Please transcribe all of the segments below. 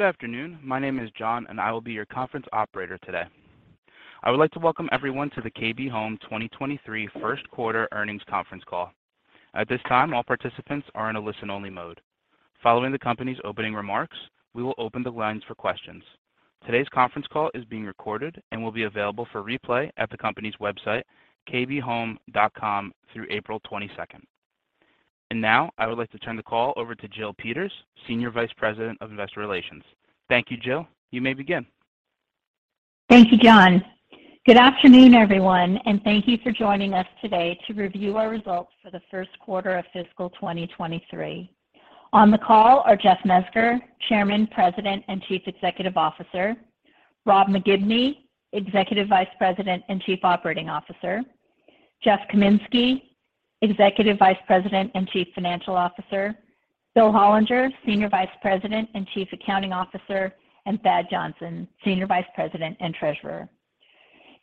Good afternoon. My name is John, I will be your conference operator today. I would like to welcome everyone to the KB Home 2023 first quarter earnings conference call. At this time, all participants are in a listen-only mode. Following the company's opening remarks, we will open the lines for questions. Today's conference call is being recorded and will be available for replay at the company's website, kbhome.com through April 22nd. Now I would like to turn the call over to Jill Peters, Senior Vice President of Investor Relations. Thank you, Jill. You may begin. Thank you, John. Good afternoon, everyone, and thank you for joining us today to review our results for the first quarter of fiscal 2023. On the call are Jeff Mezger, Chairman, President, and Chief Executive Officer, Rob McGibney, Executive Vice President and Chief Operating Officer, Jeff Kaminski, Executive Vice President and Chief Financial Officer, Bill Hollinger, Senior Vice President and Chief Accounting Officer, and Thad Johnson, Senior Vice President and Treasurer.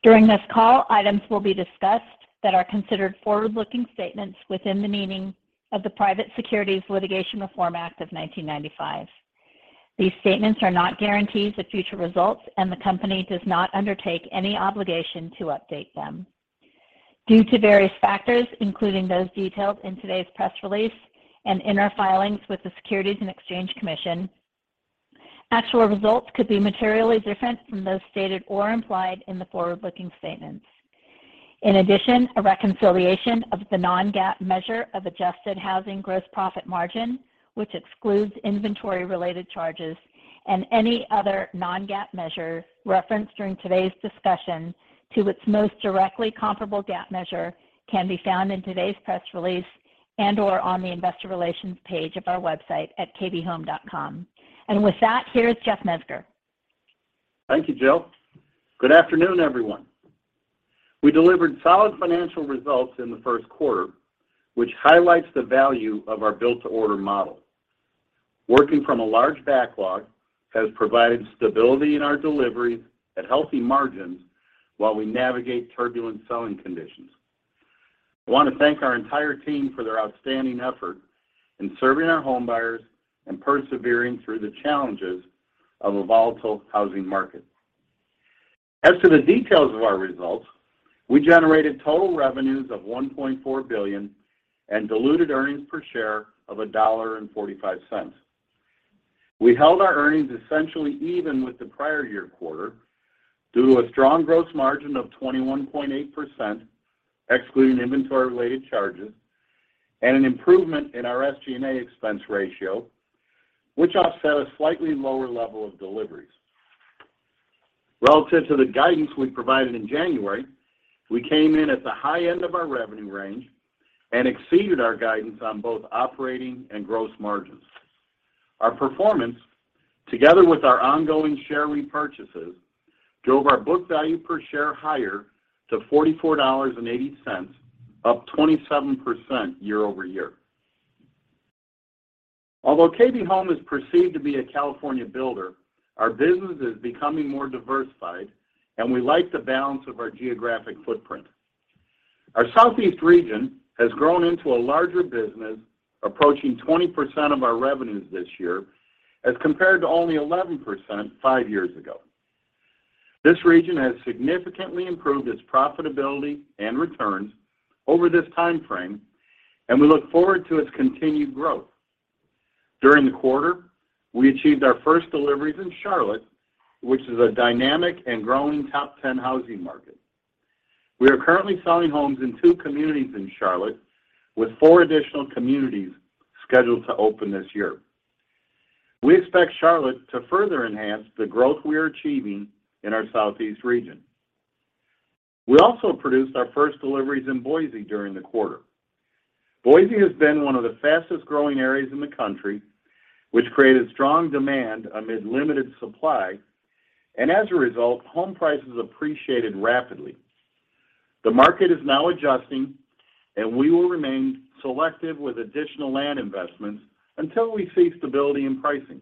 During this call, items will be discussed that are considered forward-looking statements within the meaning of the Private Securities Litigation Reform Act of 1995. These statements are not guarantees of future results, and the company does not undertake any obligation to update them. Due to various factors, including those detailed in today's press release and in our filings with the Securities and Exchange Commission, actual results could be materially different from those stated or implied in the forward-looking statements. In addition, a reconciliation of the non-GAAP measure of adjusted housing gross profit margin, which excludes inventory-related charges and any other non-GAAP measure referenced during today's discussion to its most directly comparable GAAP measure can be found in today's press release and/or on the investor relations page of our website at kbhome.com. With that, here's Jeff Mezger. Thank you, Jill. Good afternoon, everyone. We delivered solid financial results in the first quarter, which highlights the value of our built-to-order model. Working from a large backlog has provided stability in our deliveries at healthy margins while we navigate turbulent selling conditions. I want to thank our entire team for their outstanding effort in serving our homebuyers and persevering through the challenges of a volatile housing market. As to the details of our results, we generated total revenues of $1.4 billion and diluted earnings per share of $1.45. We held our earnings essentially even with the prior year quarter due to a strong gross margin of 21.8%, excluding inventory-related charges and an improvement in our SG&A expense ratio, which offset a slightly lower level of deliveries. Relative to the guidance we provided in January, we came in at the high end of our revenue range and exceeded our guidance on both operating and gross margins. Our performance, together with our ongoing share repurchases, drove our book value per share higher to $44.80, up 27% year-over-year. Although KB Home is perceived to be a California builder, our business is becoming more diversified, and we like the balance of our geographic footprint. Our Southeast region has grown into a larger business, approaching 20% of our revenues this year as compared to only 11% 5 years ago. This region has significantly improved its profitability and returns over this time frame, and we look forward to its continued growth. During the quarter, we achieved our first deliveries in Charlotte, which is a dynamic and growing top 10 housing market. We are currently selling homes in two communities in Charlotte with four additional communities scheduled to open this year. We expect Charlotte to further enhance the growth we are achieving in our Southeast region. We also produced our first deliveries in Boise during the quarter. Boise has been one of the fastest-growing areas in the country, which created strong demand amid limited supply, and as a result, home prices appreciated rapidly. The market is now adjusting, and we will remain selective with additional land investments until we see stability in pricing.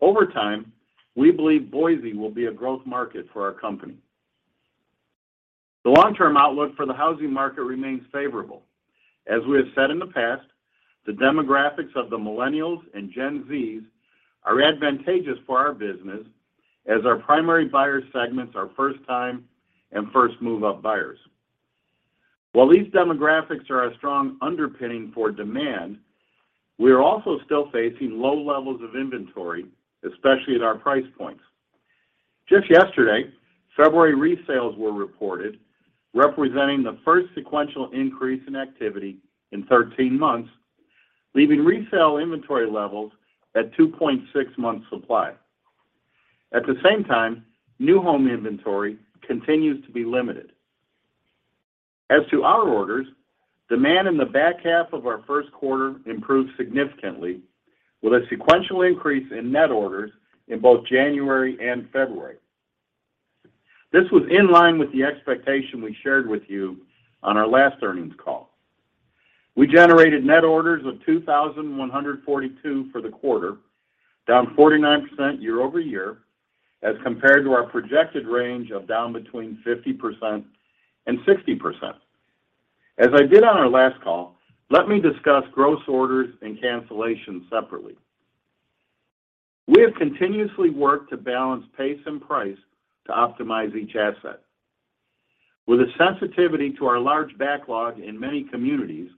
Over time, we believe Boise will be a growth market for our company. The long-term outlook for the housing market remains favorable. As we have said in the past, the demographics of the Millennials and Gen Zs are advantageous for our business as our primary buyer segments are first-time and first move-up buyers. While these demographics are a strong underpinning for demand, we are also still facing low levels of inventory, especially at our price points. Just yesterday, February resales were reported, representing the first sequential increase in activity in 13 months, leaving resale inventory levels at 2.6 months supply. At the same time, new home inventory continues to be limited. As to our orders, demand in the back half of our first quarter improved significantly with a sequential increase in net orders in both January and February. This was in line with the expectation we shared with you on our last earnings call. We generated net orders of 2,142 for the quarter, down 49% year-over-year as compared to our projected range of down between 50% and 60%. As I did on our last call, let me discuss gross orders and cancellations separately. We have continuously worked to balance pace and price to optimize each asset. With a sensitivity to our large backlog in many communities,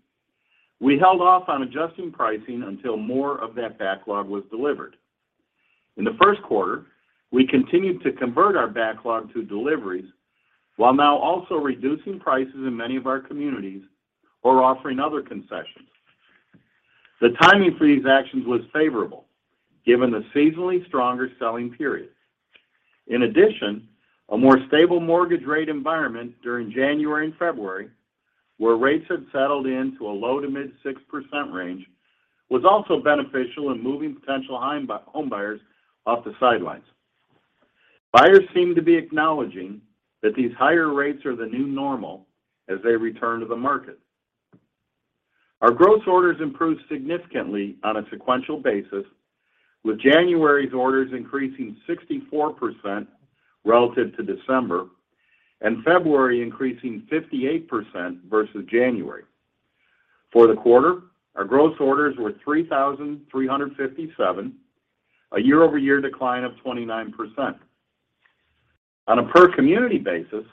we held off on adjusting pricing until more of that backlog was delivered. In the first quarter, we continued to convert our backlog to deliveries, while now also reducing prices in many of our communities or offering other concessions. The timing for these actions was favorable given the seasonally stronger selling period. A more stable mortgage rate environment during January and February, where rates had settled into a low to mid 6% range, was also beneficial in moving potential home buyers off the sidelines. Buyers seem to be acknowledging that these higher rates are the new normal as they return to the market. Our gross orders improved significantly on a sequential basis, with January's orders increasing 64% relative to December, and February increasing 58% versus January. For the quarter, our gross orders were 3,357, a year-over-year decline of 29%. On a per community basis,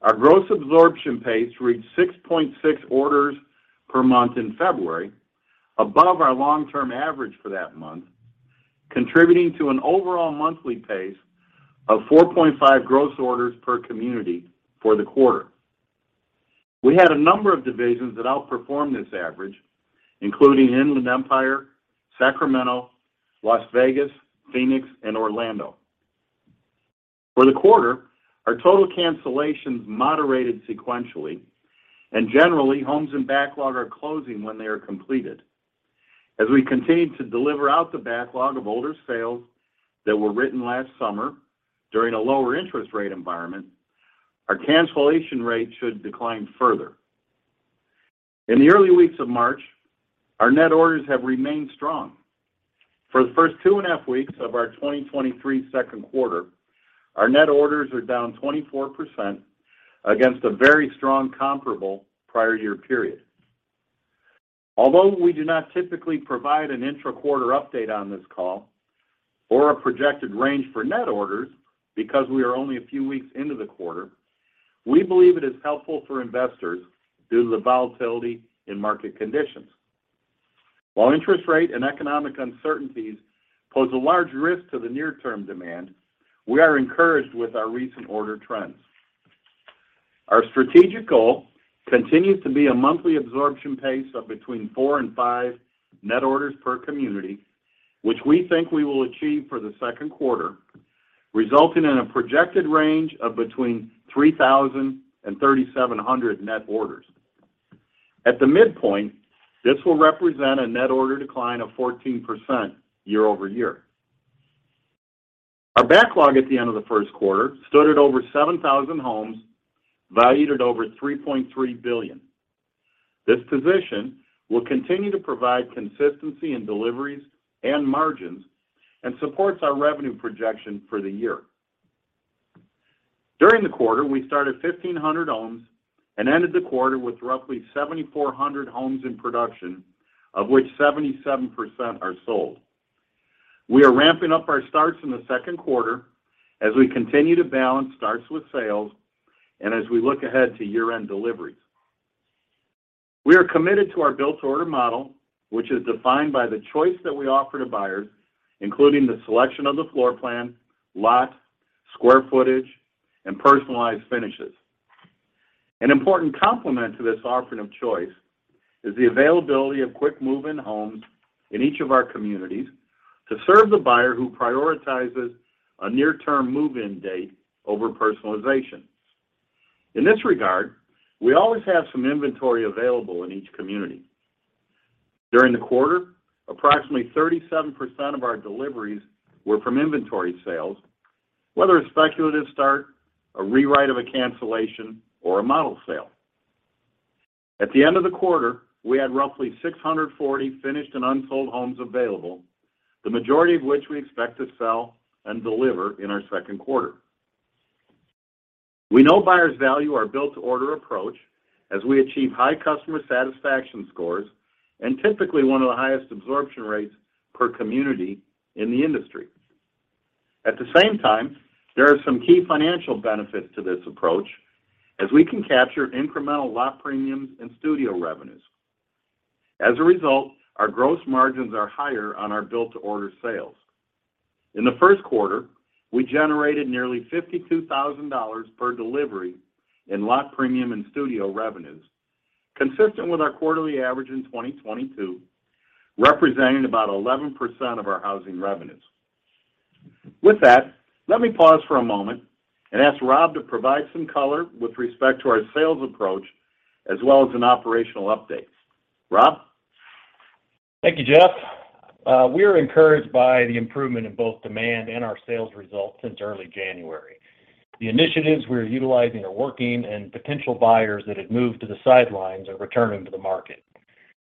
our gross absorption pace reached 6.6 orders per month in February above our long-term average for that month, contributing to an overall monthly pace of 4.5 gross orders per community for the quarter. We had a number of divisions that outperformed this average, including Inland Empire, Sacramento, Las Vegas, Phoenix, and Orlando. For the quarter, our total cancellations moderated sequentially, and generally, homes in backlog are closing when they are completed. As we continue to deliver out the backlog of older sales that were written last summer during a lower interest rate environment, our cancellation rate should decline further. In the early weeks of March, our net orders have remained strong. For the first two and a half weeks of our 2023 second quarter, our net orders are down 24% against a very strong comparable prior year period. Although we do not typically provide an intra-quarter update on this call or a projected range for net orders because we are only a few weeks into the quarter, we believe it is helpful for investors due to the volatility in market conditions. While interest rate and economic uncertainties pose a large risk to the near-term demand, we are encouraged with our recent order trends. Our strategic goal continues to be a monthly absorption pace of between four and five net orders per community, which we think we will achieve for the second quarter, resulting in a projected range of between 3,000 and 3,700 net orders. At the midpoint, this will represent a net order decline of 14% year-over-year. Our backlog at the end of the first quarter stood at over 7,000 homes, valued at over $3.3 billion. This position will continue to provide consistency in deliveries and margins and supports our revenue projection for the year. During the quarter, we started 1,500 homes and ended the quarter with roughly 7,400 homes in production, of which 77% are sold. We are ramping up our starts in the second quarter as we continue to balance starts with sales and as we look ahead to year-end deliveries. We are committed to our Built to Order model, which is defined by the choice that we offer to buyers, including the selection of the floor plan, lot, square footage, and personalized finishes. An important complement to this offering of choice is the availability of quick move-in homes in each of our communities to serve the buyer who prioritizes a near-term move-in date over personalization. In this regard, we always have some inventory available in each community. During the quarter, approximately 37% of our deliveries were from inventory sales, whether a speculative start, a rewrite of a cancellation, or a model sale. At the end of the quarter, we had roughly 640 finished and unsold homes available, the majority of which we expect to sell and deliver in our second quarter. We know buyers value our Built to Order approach as we achieve high customer satisfaction scores and typically one of the highest absorption rates per community in the industry. At the same time, there are some key financial benefits to this approach as we can capture incremental lot premiums and studio revenues. As a result, our gross margins are higher on our Built to Order sales. In the first quarter, we generated nearly $52,000 per delivery in lot premium and studio revenues, consistent with our quarterly average in 2022, representing about 11% of our housing revenues. With that, let me pause for a moment and ask Rob to provide some color with respect to our sales approach as well as an operational update. Rob? Thank you, Jeff. We are encouraged by the improvement in both demand and our sales results since early January. The initiatives we are utilizing are working and potential buyers that had moved to the sidelines are returning to the market.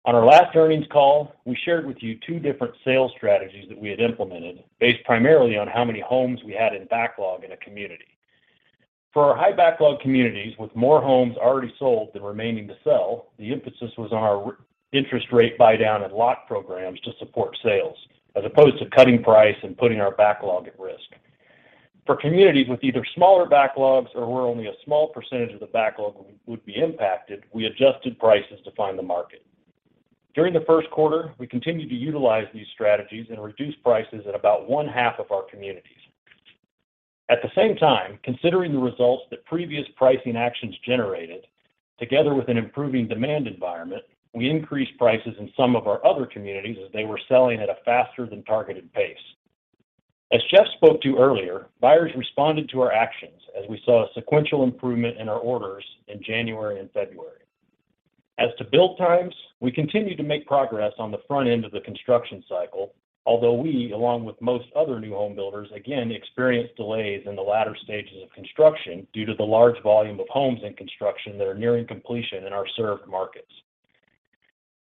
On our last earnings call, we shared with you 2 different sales strategies that we had implemented based primarily on how many homes we had in backlog in a community. For our high backlog communities with more homes already sold than remaining to sell, the emphasis was on our interest rate buydown and lot programs to support sales, as opposed to cutting price and putting our backlog at risk. For communities with either smaller backlogs or where only a small percentage of the backlog would be impacted, we adjusted prices to find the market. During the first quarter, we continued to utilize these strategies and reduce prices at about one half of our communities. At the same time, considering the results that previous pricing actions generated, together with an improving demand environment, we increased prices in some of our other communities as they were selling at a faster than targeted pace. As Jeff spoke to earlier, buyers responded to our actions as we saw a sequential improvement in our orders in January and February. As to build times, we continue to make progress on the front end of the construction cycle, although we, along with most other new home builders, again experienced delays in the latter stages of construction due to the large volume of homes in construction that are nearing completion in our served markets.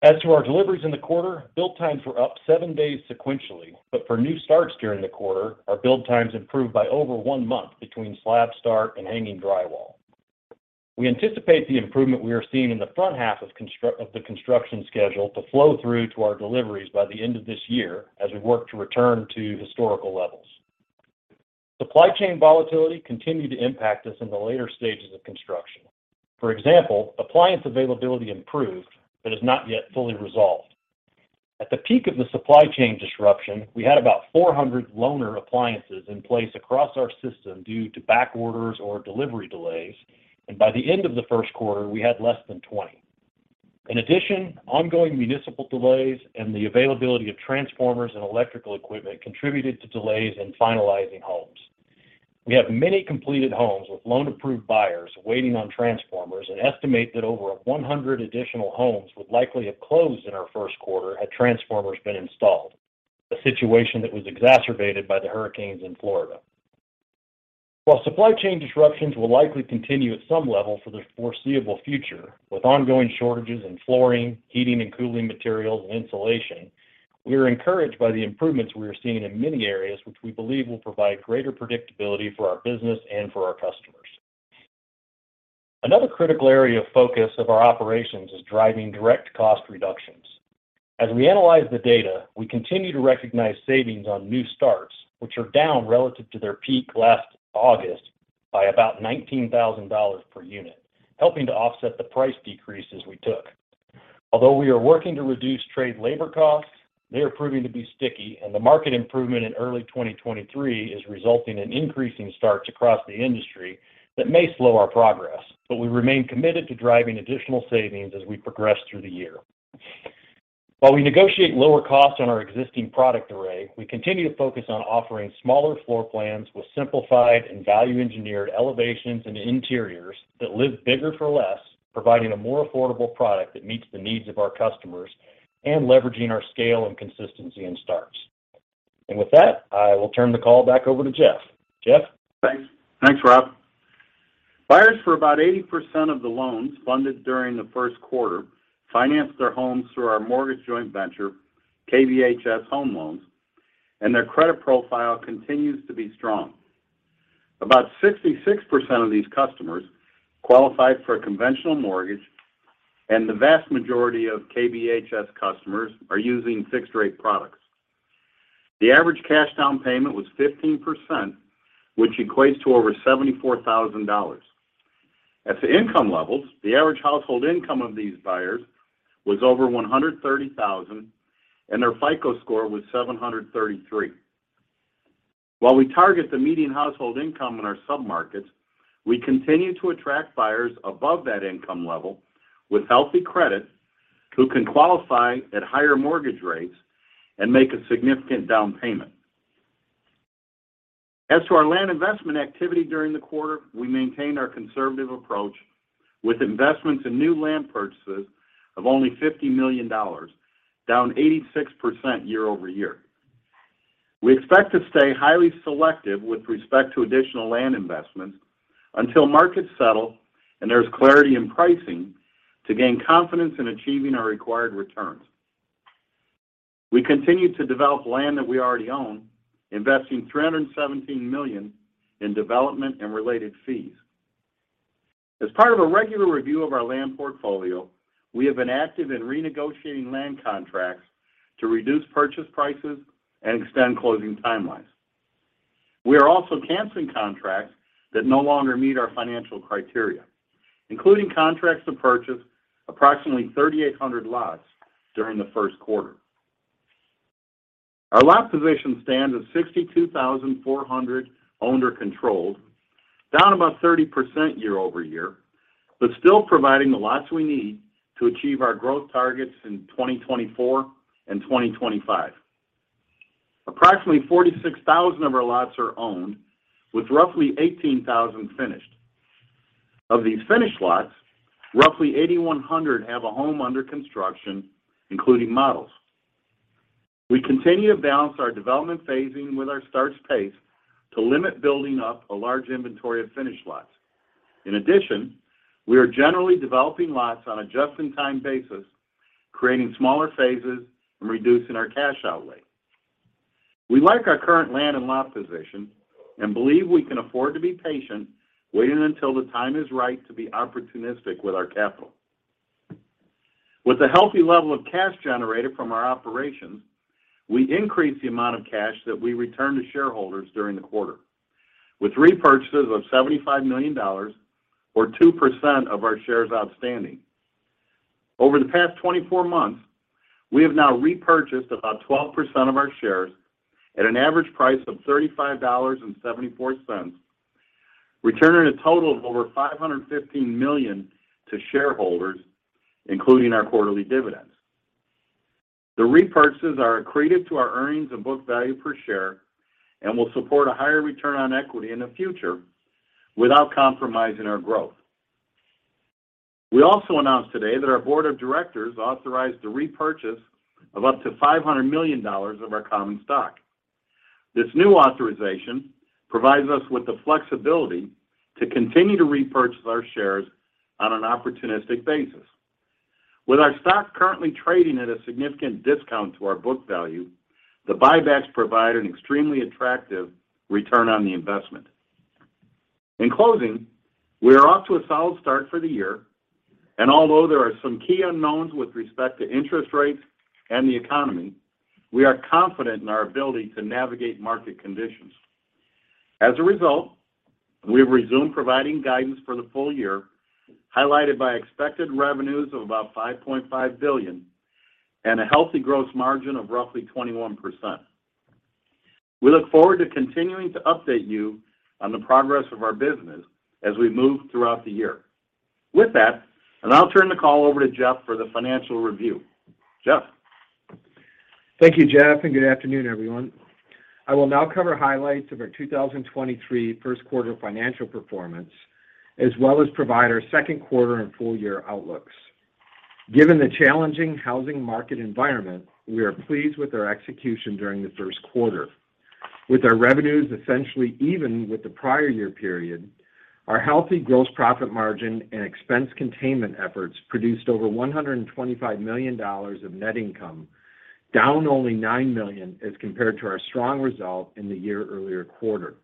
As to our deliveries in the quarter, build times were up 7 days sequentially, but for new starts during the quarter, our build times improved by over 1 month between slab start and hanging drywall. We anticipate the improvement we are seeing in the front half of the construction schedule to flow through to our deliveries by the end of this year as we work to return to historical levels. Supply chain volatility continued to impact us in the later stages of construction. For example, appliance availability improved, but is not yet fully resolved. At the peak of the supply chain disruption, we had about 400 loaner appliances in place across our system due to back orders or delivery delays, and by the end of the first quarter, we had less than 20. In addition, ongoing municipal delays and the availability of transformers and electrical equipment contributed to delays in finalizing homes. We have many completed homes with loan-approved buyers waiting on transformers and estimate that over 100 additional homes would likely have closed in our first quarter had transformers been installed. A situation that was exacerbated by the hurricanes in Florida. While supply chain disruptions will likely continue at some level for the foreseeable future with ongoing shortages in flooring, heating and cooling materials, and insulation, we are encouraged by the improvements we are seeing in many areas which we believe will provide greater predictability for our business and for our customers. Another critical area of focus of our operations is driving direct cost reductions. As we analyze the data, we continue to recognize savings on new starts, which are down relative to their peak last August by about $19,000 per unit, helping to offset the price decreases we took. Although we are working to reduce trade labor costs, they are proving to be sticky, and the market improvement in early 2023 is resulting in increasing starts across the industry that may slow our progress. We remain committed to driving additional savings as we progress through the year. While we negotiate lower costs on our existing product array, we continue to focus on offering smaller floor plans with simplified and value-engineered elevations and interiors that live bigger for less, providing a more affordable product that meets the needs of our customers and leveraging our scale and consistency in starts. With that, I will turn the call back over to Jeff. Jeff? Thanks. Thanks, Rob. Buyers for about 80% of the loans funded during the first quarter financed their homes through our mortgage joint venture, KBHS Home Loans, and their credit profile continues to be strong. About 66% of these customers qualified for a conventional mortgage, and the vast majority of KBHS customers are using fixed-rate products. The average cash down payment was 15%, which equates to over $74,000. As to income levels, the average household income of these buyers was over $130,000, and their FICO score was 733. While we target the median household income in our submarkets, we continue to attract buyers above that income level with healthy credit who can qualify at higher mortgage rates and make a significant down payment. As to our land investment activity during the quarter, we maintained our conservative approach with investments in new land purchases of only $50 million, down 86% year-over-year. We expect to stay highly selective with respect to additional land investments until markets settle and there's clarity in pricing to gain confidence in achieving our required returns. We continue to develop land that we already own, investing $317 million in development and related fees. As part of a regular review of our land portfolio, we have been active in renegotiating land contracts to reduce purchase prices and extend closing timelines. We are also canceling contracts that no longer meet our financial criteria, including contracts to purchase approximately 3,800 lots during the first quarter. Our lot position stands at 62,400 owned or controlled, down about 30% year-over-year, but still providing the lots we need to achieve our growth targets in 2024 and 2025. Approximately 46,000 of our lots are owned, with roughly 18,000 finished. Of these finished lots, roughly 8,100 have a home under construction, including models. We continue to balance our development phasing with our starts pace to limit building up a large inventory of finished lots. In addition, we are generally developing lots on a just-in-time basis, creating smaller phases and reducing our cash outlay. We like our current land and lot position and believe we can afford to be patient, waiting until the time is right to be opportunistic with our capital. With a healthy level of cash generated from our operations, we increased the amount of cash that we returned to shareholders during the quarter with repurchases of $75 million or 2% of our shares outstanding. Over the past 24 months, we have now repurchased about 12% of our shares at an average price of $35.74, returning a total of over $515 million to shareholders, including our quarterly dividends. The repurchases are accretive to our earnings and book value per share and will support a higher return on equity in the future without compromising our growth. We also announced today that our board of directors authorized the repurchase of up to $500 million of our common stock. This new authorization provides us with the flexibility to continue to repurchase our shares on an opportunistic basis. With our stock currently trading at a significant discount to our book value, the buybacks provide an extremely attractive return on the investment. In closing, we are off to a solid start for the year, although there are some key unknowns with respect to interest rates and the economy, we are confident in our ability to navigate market conditions. As a result, we have resumed providing guidance for the full year, highlighted by expected revenues of about $5.5 billion and a healthy gross margin of roughly 21%. We look forward to continuing to update you on the progress of our business as we move throughout the year. With that, I'll now turn the call over to Jeff for the financial review. Jeff? Thank you, Jeff. Good afternoon, everyone. I will now cover highlights of our 2023 first quarter financial performance, as well as provide our second quarter and full year outlooks. Given the challenging housing market environment, we are pleased with our execution during the first quarter. With our revenues essentially even with the prior year period, our healthy gross profit margin and expense containment efforts produced over $125 million of net income, down only $9 million as compared to our strong result in the year earlier quarter.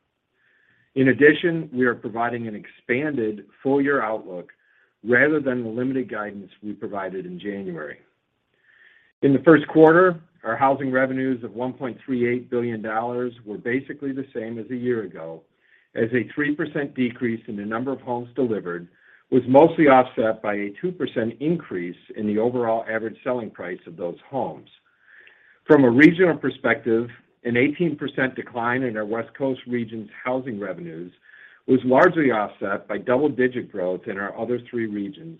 In addition, we are providing an expanded full year outlook rather than the limited guidance we provided in January. In the first quarter, our housing revenues of $1.38 billion were basically the same as a year ago as a 3% decrease in the number of homes delivered was mostly offset by a 2% increase in the overall average selling price of those homes. From a regional perspective, an 18% decline in our West Coast region's housing revenues was largely offset by double-digit growth in our other three regions,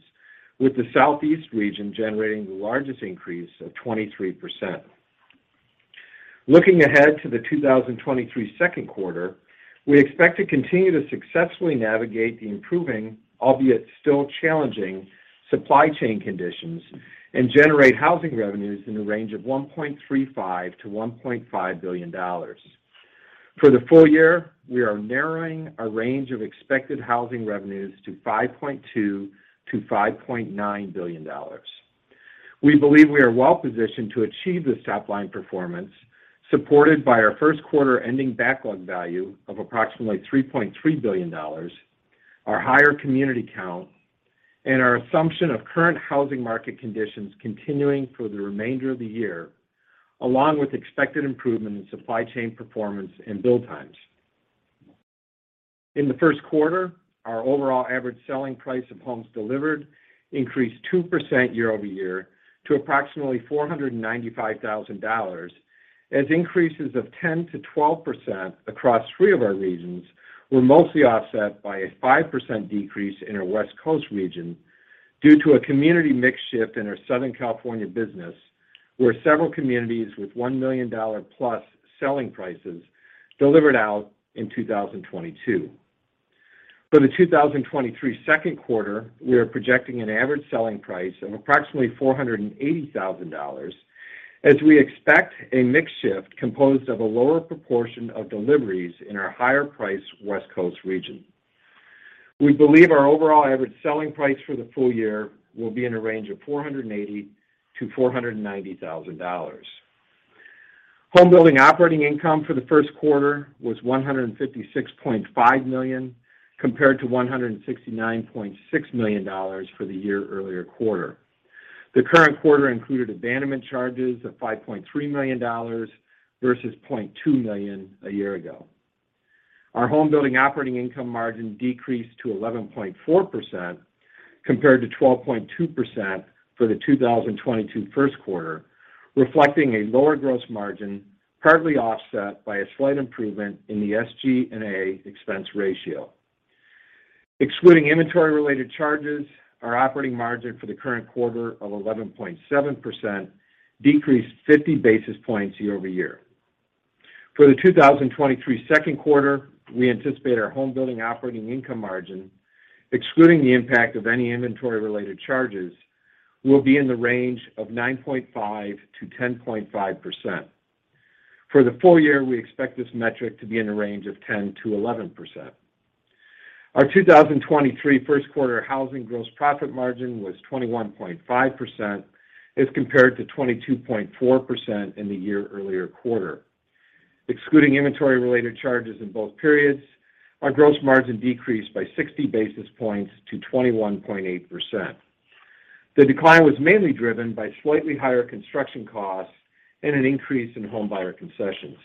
with the Southeast region generating the largest increase of 23%. Looking ahead to the 2023 second quarter, we expect to continue to successfully navigate the improving, albeit still challenging, supply chain conditions and generate housing revenues in the range of $1.35 billion-$1.5 billion. For the full year, we are narrowing our range of expected housing revenues to $5.2 billion-$5.9 billion. We believe we are well positioned to achieve this top line performance, supported by our first quarter ending backlog value of approximately $3.3 billion, our higher community count, and our assumption of current housing market conditions continuing for the remainder of the year, along with expected improvement in supply chain performance and build times. In the first quarter, our overall average selling price of homes delivered increased 2% year-over-year to approximately $495,000, as increases of 10%-12% across three of our regions were mostly offset by a 5% decrease in our West Coast region due to a community mix shift in our Southern California business, where several communities with $1 million-plus selling prices delivered out in 2022. For the 2023 second quarter, we are projecting an average selling price of approximately $480,000 as we expect a mix shift composed of a lower proportion of deliveries in our higher price West Coast region. We believe our overall average selling price for the full year will be in a range of $480,000-$490,000. Home building operating income for the first quarter was $156.5 million, compared to $169.6 million for the year earlier quarter. The current quarter included abandonment charges of $5.3 million versus $0.2 million a year ago. Our home building operating income margin decreased to 11.4% compared to 12.2% for the 2022 first quarter, reflecting a lower gross margin, partly offset by a slight improvement in the SG&A expense ratio. Excluding inventory-related charges, our operating margin for the current quarter of 11.7% decreased 50 basis points year-over-year. For the 2023 second quarter, we anticipate our home building operating income margin, excluding the impact of any inventory-related charges, will be in the range of 9.5%-10.5%. For the full year, we expect this metric to be in a range of 10%-11%. Our 2023 first quarter housing gross profit margin was 21.5% as compared to 22.4% in the year-earlier quarter. Excluding inventory-related charges in both periods, our gross margin decreased by 60 basis points to 21.8%. The decline was mainly driven by slightly higher construction costs and an increase in home buyer concessions.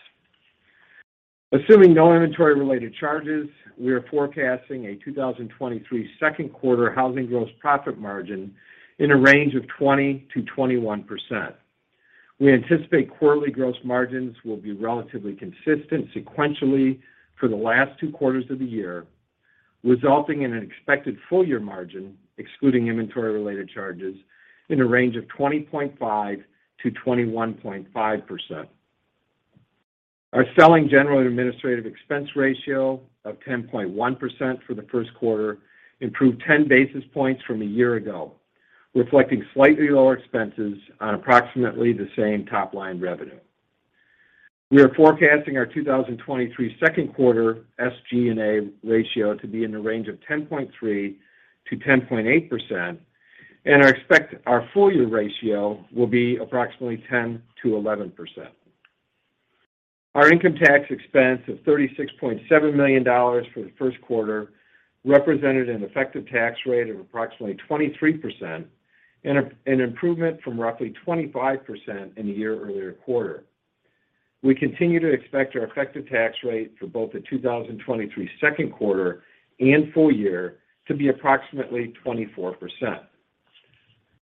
Assuming no inventory-related charges, we are forecasting a 2023 second quarter housing gross profit margin in a range of 20%-21%. We anticipate quarterly gross margins will be relatively consistent sequentially for the last 2 quarters of the year, resulting in an expected full year margin, excluding inventory-related charges, in a range of 20.5%-21.5%. Our selling general and administrative expense ratio of 10.1% for the first quarter improved 10 basis points from a year ago, reflecting slightly lower expenses on approximately the same top-line revenue. We are forecasting our 2023 second quarter SG&A ratio to be in the range of 10.3%-10.8%, I expect our full year ratio will be approximately 10%-11%. Our income tax expense of $36.7 million for the first quarter represented an effective tax rate of approximately 23% an improvement from roughly 25% in the year-earlier quarter. We continue to expect our effective tax rate for both the 2023 second quarter and full year to be approximately 24%.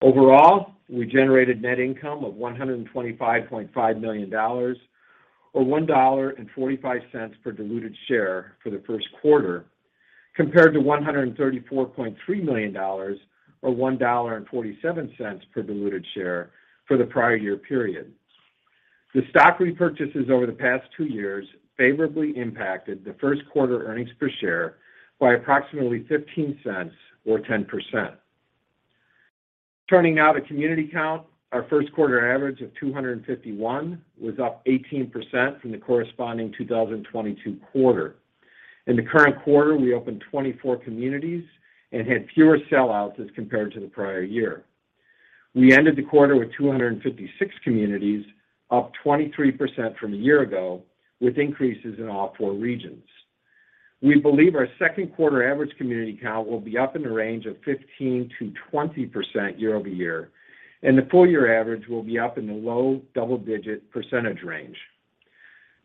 Overall, we generated net income of $125.5 million or $1.45 per diluted share for the first quarter, compared to $134.3 million or $1.47 per diluted share for the prior year period. The stock repurchases over the past two years favorably impacted the first quarter earnings per share by approximately $0.15 or 10%. Turning now to community count, our first quarter average of 251 was up 18% from the corresponding 2022 quarter. In the current quarter, we opened 24 communities and had fewer sell-outs as compared to the prior year. We ended the quarter with 256 communities, up 23% from a year ago, with increases in all four regions. We believe our second quarter average community count will be up in the range of 15%-20% year-over-year, and the full year average will be up in the low double-digit percentage range.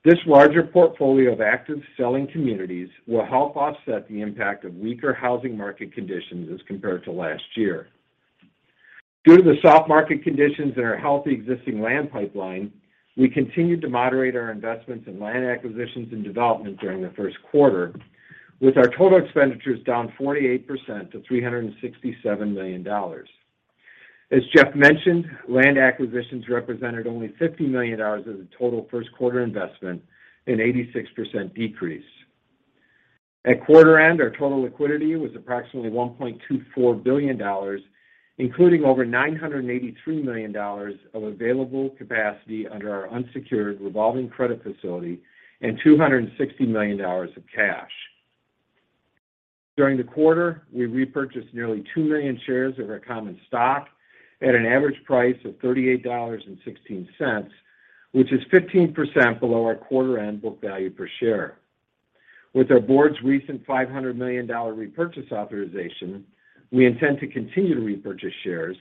This larger portfolio of active selling communities will help offset the impact of weaker housing market conditions as compared to last year. Due to the soft market conditions in our healthy existing land pipeline, we continued to moderate our investments in land acquisitions and development during the first quarter, with our total expenditures down 48% to $367 million. As Jeff mentioned, land acquisitions represented only $50 million of the total first quarter investment, an 86% decrease. At quarter end, our total liquidity was approximately $1.24 billion, including over $983 million of available capacity under our unsecured revolving credit facility and $260 million of cash. During the quarter, we repurchased nearly 2 million shares of our common stock at an average price of $38.16, which is 15% below our quarter end book value per share. With our board's recent $500 million repurchase authorization, we intend to continue to repurchase shares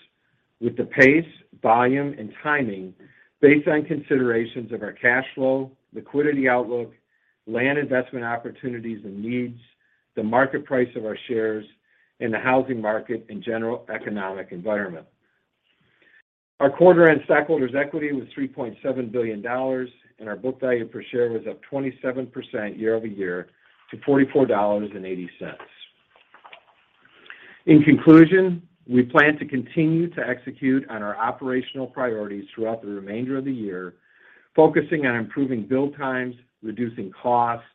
with the pace, volume, and timing based on considerations of our cash flow, liquidity outlook, land investment opportunities and needs, the market price of our shares, and the housing market and general economic environment. Our quarter-end stockholders' equity was $3.7 billion. Our book value per share was up 27% year-over-year to $44.80. In conclusion, we plan to continue to execute on our operational priorities throughout the remainder of the year, focusing on improving build times, reducing costs,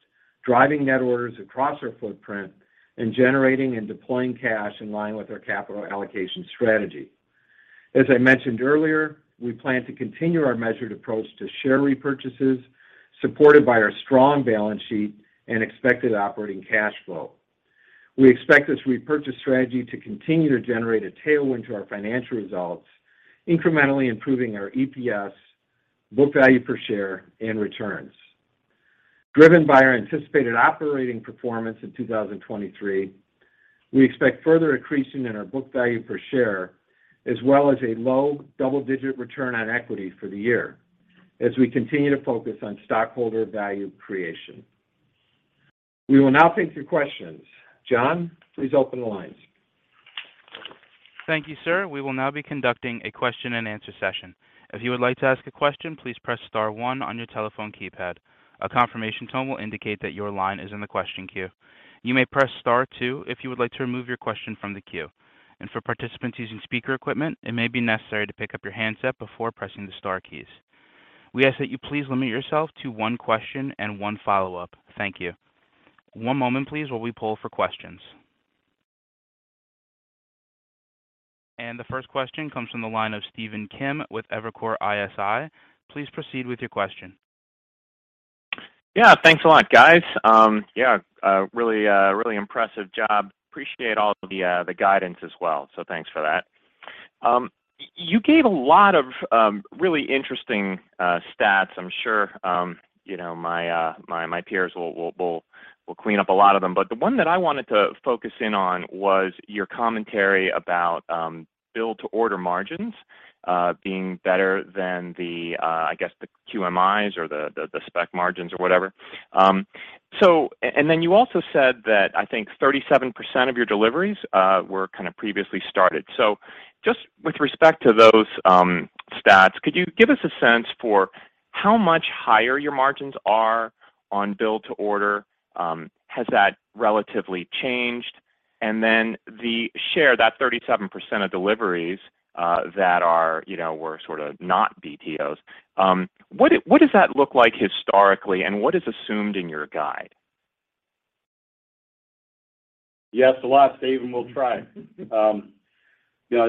driving net orders across our footprint, and generating and deploying cash in line with our capital allocation strategy. As I mentioned earlier, we plan to continue our measured approach to share repurchases, supported by our strong balance sheet and expected operating cash flow. We expect this repurchase strategy to continue to generate a tailwind to our financial results, incrementally improving our EPS, book value per share, and returns. Driven by our anticipated operating performance in 2023, we expect further increasing in our book value per share, as well as a low double-digit return on equity for the year as we continue to focus on stockholder value creation. We will now take your questions. John, please open the lines. Thank you, sir. We will now be conducting a question and answer session. If you would like to ask a question, please press *1 on your telephone keypad. A confirmation tone will indicate that your line is in the question queue. You may press *2 if you would like to remove your question from the queue. For participants using speaker equipment, it may be necessary to pick up your handset before pressing the star keys. We ask that you please limit yourself to one question and one follow-up. Thank you. One moment please while we poll for questions. The first question comes from the line of Stephen Kim with Evercore ISI. Please proceed with your question. Thanks a lot, guys., really, really impressive job. Appreciate all of the guidance as well, so thanks for that. You gave a lot of really interesting stats. I'm sure, you know, my peers will clean up a lot of them. The one that I wanted to focus in on was your commentary about Built to Order margins being better than the, I guess, the QMIs or the spec margins or whatever. You also said that, I think, 37% of your deliveries were kind of previously started. Just with respect to those stats, could you give us a sense for how much higher your margins are on Built to Order? Has that relatively changed? The share, that 37% of deliveries, that are, you know, were sort of not BTOs, what does that look like historically, and what is assumed in your guide? It's a lot, Stephen. We'll try. you know,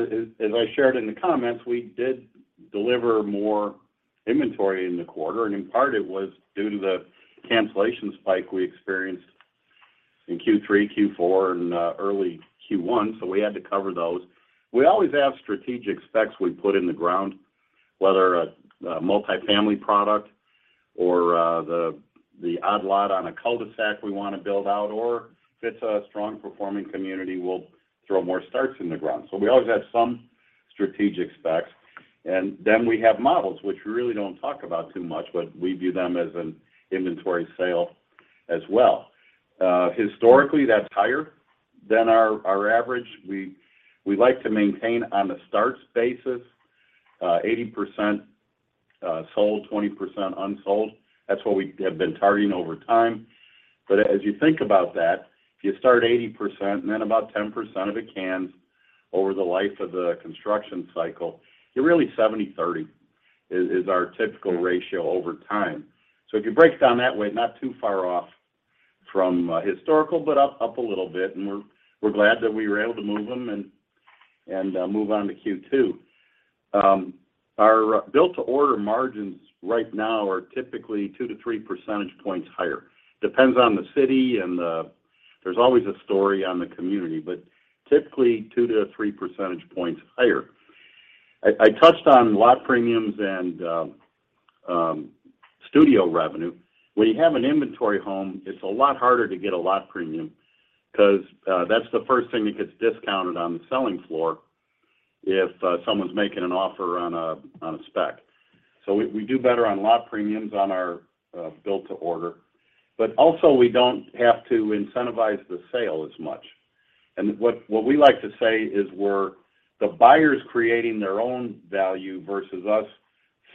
as I shared in the comments, we did deliver more inventory in the quarter, and in part it was due to the cancellation spike we experienced in Q3, Q4, and early Q1. We had to cover those. We always have strategic specs we put in the ground, whether a multi-family product or the odd lot on a cul-de-sac we wanna build out, or if it's a strong performing community, we'll throw more starts in the ground. We always have some strategic specs. Then we have models, which we really don't talk about too much, but we view them as an inventory sale as well. Historically, that's higher than our average. We like to maintain on a starts basis, 80% sold, 20% unsold. That's what we have been targeting over time. As you think about that, if you start 80% and then about 10% of it cans over the life of the construction cycle, you're really 70/30 is our typical ratio over time. If you break it down that way, not too far off from historical, but up a little bit, and we're glad that we were able to move them and move on to Q2. Our Built to Order margins right now are typically 2 to 3 percentage points higher. Depends on the city and there's always a story on the community, but typically 2 to 3 percentage points higher. I touched on lot premiums and studio revenue. When you have an inventory home, it's a lot harder to get a lot premium 'cause that's the first thing that gets discounted on the selling floor if someone's making an offer on a spec. We do better on lot premiums on our Built to Order, but also we don't have to incentivize the sale as much. What we like to say is we're the buyers creating their own value versus us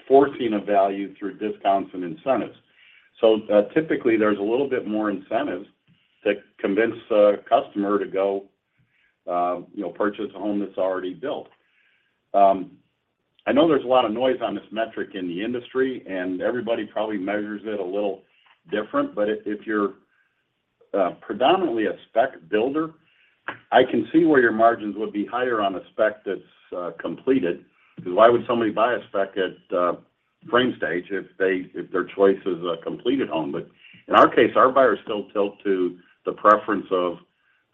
forcing a value through discounts and incentives. Typically there's a little bit more incentive to convince a customer to go, you know, purchase a home that's already built. I know there's a lot of noise on this metric in the industry, and everybody probably measures it a little different. If you're predominantly a spec builder, I can see where your margins would be higher on a spec that's completed, because why would somebody buy a spec at frame stage if their choice is a completed home? In our case, our buyers still tilt to the preference of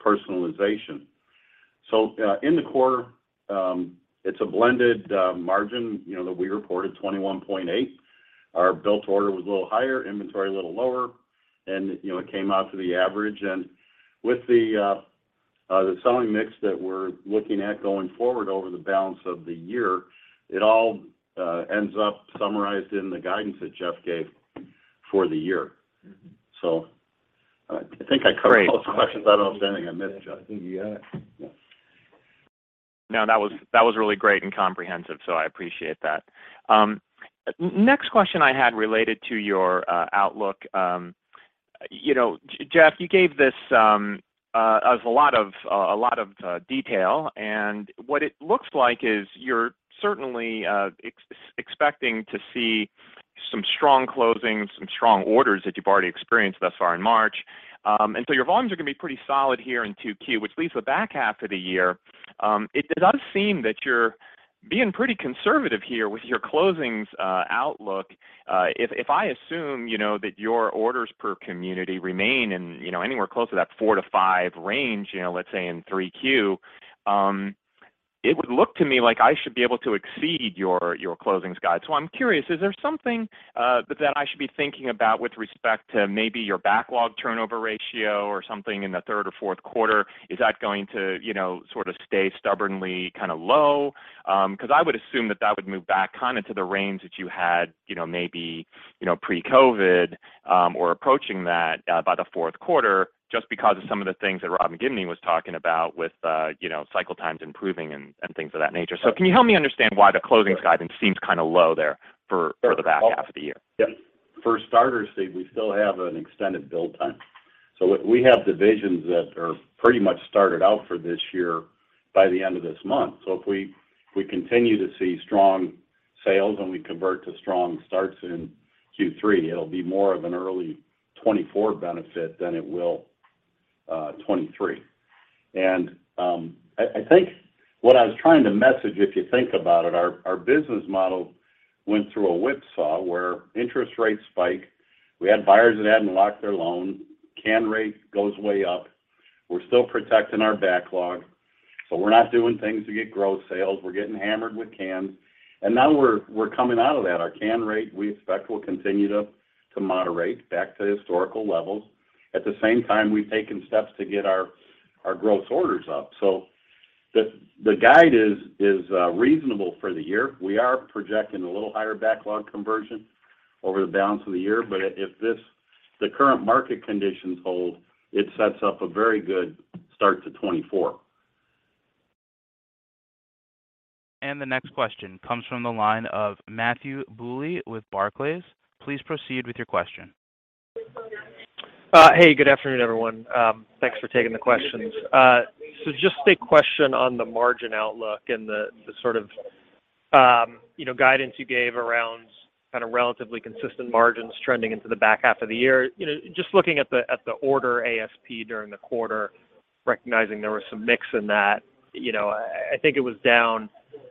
personalization. In the core, it's a blended margin, you know, that we reported 21.8%. Our Built to Order was a little higher, inventory a little lower, and, you know, it came out to the average. With the selling mix that we're looking at going forward over the balance of the year, it all ends up summarized in the guidance that Jeff gave for the year. I think I covered all those questions. I don't know if there's anything I missed, Jeff. I think you got it. No, that was, that was really great and comprehensive, so I appreciate that. next question I had related to your outlook, you know, Jeff, you gave this a lot of a lot of detail, and what it looks like is you're certainly expecting to see some strong closings, some strong orders that you've already experienced thus far in March. Your volumes are gonna be pretty solid here in 2Q, which leaves the back half of the year. It does seem that you're being pretty conservative here with your closings outlook. If, if I assume, you know, that your orders per community remain in, you know, anywhere close to that 4-5 range, you know, let's say in 3Q, it would look to me like I should be able to exceed your closings guide. I'm curious, is there something that I should be thinking about with respect to maybe your backlog turnover ratio or something in the 3rd or 4th quarter? Is that going to, you know, sort of stay stubbornly kind of low? Because I would assume that that would move back kind of to the range that you had, you know, maybe, you know, pre-COVID, or approaching that by the 4th quarter just because of some of the things that Rob McGibney was talking about with, you know, cycle times improving and things of that nature. Can you help me understand why the closings guidance seems kind of low there for the back half of the year? For starters, Steve, we still have an extended build time. We have divisions that are pretty much started out for this year by the end of this month. If we continue to see strong sales and we convert to strong starts in Q3, it'll be more of an early 2024 benefit than it will 2023. I think what I was trying to message, if you think about it, our business model went through a whipsaw where interest rates spike. We had buyers that hadn't locked their loans. Can rate goes way up. We're still protecting our backlog, so we're not doing things to get growth sales. We're getting hammered with cans. Now we're coming out of that. Our can rate, we expect, will continue to moderate back to historical levels. At the same time, we've taken steps to get our growth orders up. The guide is reasonable for the year. We are projecting a little higher backlog conversion over the balance of the year. If the current market conditions hold, it sets up a very good start to 2024. The next question comes from the line of Matthew Bouley with Barclays. Please proceed with your question. Hey, good afternoon, everyone. Thanks for taking the questions. Just a question on the margin outlook and the sort of, you know, guidance you gave around kind of relatively consistent margins trending into the back half of the year. You know, just looking at the, at the order ASP during the quarter, recognizing there was some mix in that, you know, I think it was down,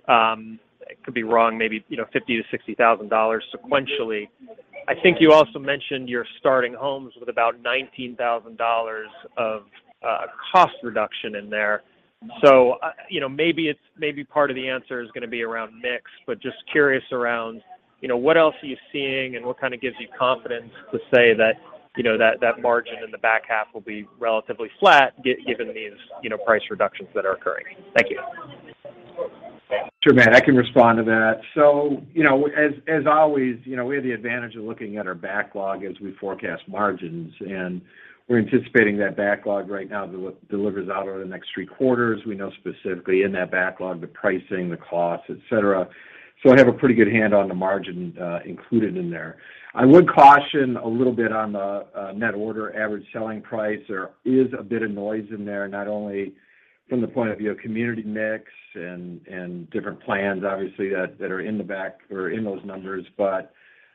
I could be wrong, maybe, you know, $50,000-$60,000 sequentially. I think you also mentioned you're starting homes with about $19,000 of cost reduction in there. You know, maybe it's maybe part of the answer is going to be around mix, but just curious around, you know, what else are you seeing and what kind of gives you confidence to say that, you know, that margin in the back half will be relatively flat given these, you know, price reductions that are occurring? Thank you. Sure, Matt, I can respond to that. You know, as always, you know, we have the advantage of looking at our backlog as we forecast margins. We're anticipating that backlog right now delivers out over the next three quarters. We know specifically in that backlog, the pricing, the costs, et cetera. I have a pretty good hand on the margin included in there. I would caution a little bit on the net order average selling price. There is a bit of noise in there, not only from the point of view of community mix and different plans, obviously, that are in the back or in those numbers.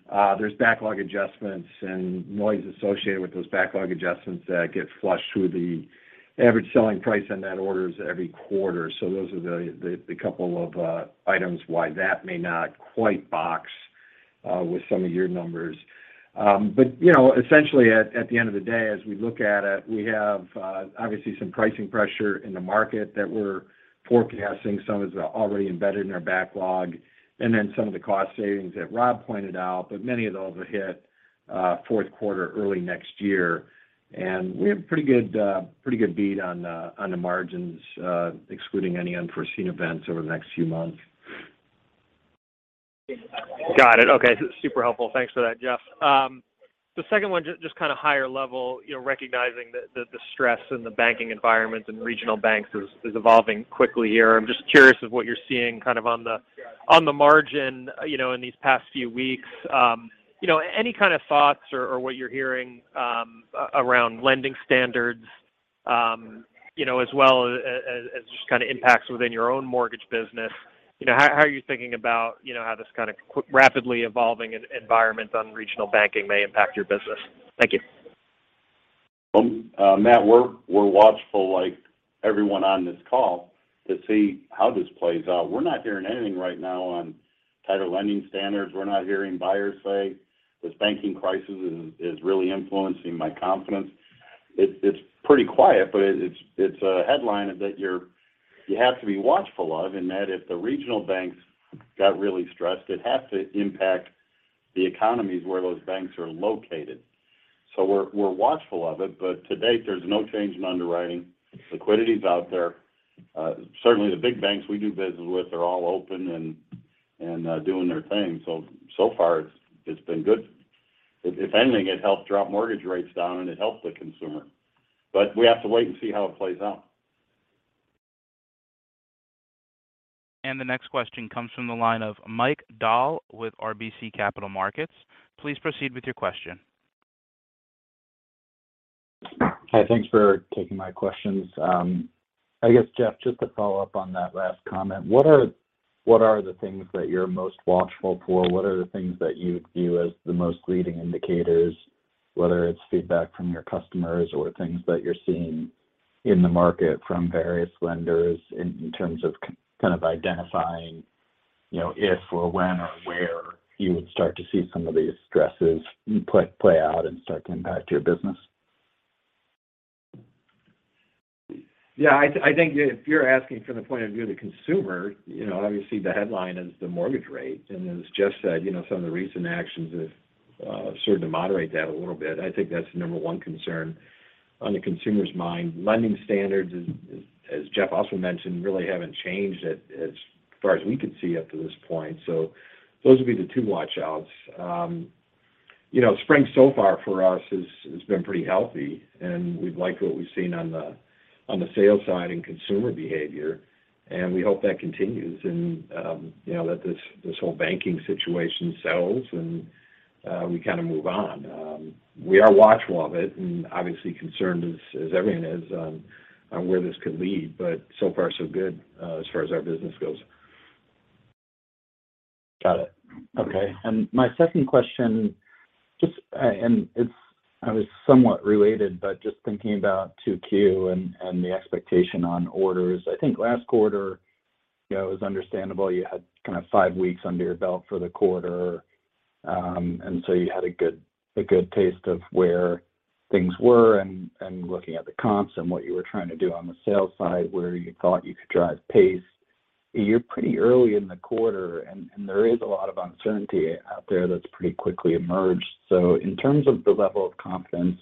There's backlog adjustments and noise associated with those backlog adjustments that get flushed through the average selling price on net orders every quarter. Those are the couple of items why that may not quite box with some of your numbers. You know, essentially at the end of the day as we look at it, we have obviously some pricing pressure in the market that we're forecasting. Some is already embedded in our backlog, and then some of the cost savings that Rob pointed out, but many of those will hit fourth quarter early next year. We have pretty good bead on the margins, excluding any unforeseen events over the next few months. Got it. Okay. Super helpful. Thanks for that, Jeff. The second one, just kind of higher level, you know, recognizing the stress in the banking environment and regional banks is evolving quickly here. I'm just curious of what you're seeing kind of on the, on the margin, you know, in these past few weeks. You know, any kind of thoughts or what you're hearing, around lending standards, you know, as well as just kind of impacts within your own mortgage business? You know, how are you thinking about, you know, how this kind of rapidly evolving environment on regional banking may impact your business? Thank you. Matt, we're watchful like everyone on this call to see how this plays out. We're not hearing anything right now on tighter lending standards. We're not hearing buyers say this banking crisis is really influencing my confidence. It's, it's pretty quiet, but it's a headline that you have to be watchful of, in that if the regional banks got really stressed, it'd have to impact the economies where those banks are located. We're, we're watchful of it, but to date, there's no change in underwriting. Liquidity is out there. Certainly the big banks we do business with are all open and doing their thing. So far it's been good. If, if anything, it helps drop mortgage rates down, and it helps the consumer. We have to wait and see how it plays out. The next question comes from the line of Mike Dahl with RBC Capital Markets. Please proceed with your question. Hi, thanks for taking my questions. I guess, Jeff, just to follow up on that last comment, what are the things that you're most watchful for? What are the things that you view as the most leading indicators, whether it's feedback from your customers or things that you're seeing in the market from various lenders in terms of kind of identifying, you know, if or when or where you would start to see some of these stresses play out and start to impact your business? I think if you're asking from the point of view of the consumer, you know, obviously the headline is the mortgage rate. As Jeff said, you know, some of the recent actions have started to moderate that a little bit. I think that's the number one concern on the consumer's mind. Lending standards, as Jeff also mentioned, really haven't changed as far as we can see up to this point. Those would be the two watch outs. You know, spring so far for us has been pretty healthy, and we like what we've seen on the sales side and consumer behavior, and we hope that continues and, you know, that this whole banking situation settles and we kind of move on. We are watchful of it and obviously concerned as everyone is on where this could lead, but so far so good as far as our business goes. Got it. Okay. My second question, just and it's, I guess, somewhat related, but just thinking about 2Q and the expectation on orders, I think last quarter, you know, it was understandable you had kind of five weeks under your belt for the quarter. You had a good taste of where things were and looking at the comps and what you were trying to do on the sales side, where you thought you could drive pace. You're pretty early in the quarter and there is a lot of uncertainty out there that's pretty quickly emerged. In terms of the level of confidence